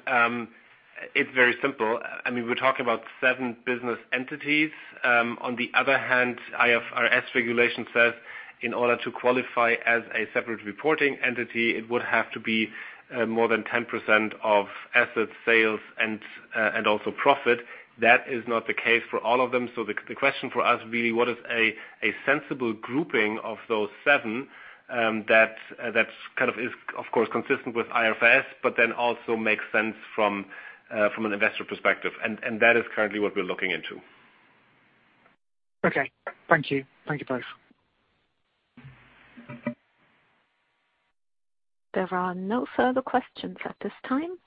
it's very simple. We're talking about seven business entities. On the other hand, IFRS regulation says, in order to qualify as a separate reporting entity, it would have to be more than 10% of asset sales and also profit. That is not the case for all of them. The question for us really, what is a sensible grouping of those seven that's kind of course, consistent with IFRS, but then also makes sense from an investor perspective. That is currently what we're looking into. Okay. Thank you. Thank you both. There are no further questions at this time.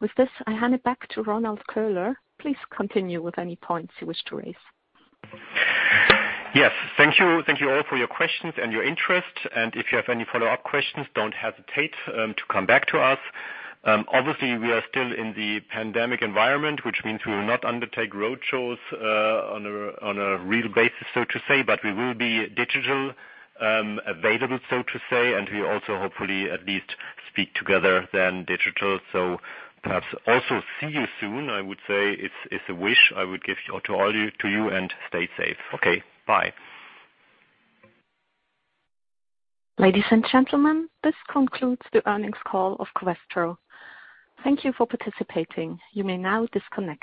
With this, I hand it back to Ronald Köhler. Please continue with any points you wish to raise. Yes. Thank you all for your questions and your interest. If you have any follow-up questions, don't hesitate to come back to us. Obviously, we are still in the pandemic environment, which means we will not undertake road shows on a real basis, so to say, but we will be digital available, so to say, and we also hopefully at least speak together then digital. Perhaps also see you soon, I would say. It's a wish I would give to you and stay safe. Okay, bye. Ladies and gentlemen, this concludes the earnings call of Covestro. Thank you for participating. You may now disconnect.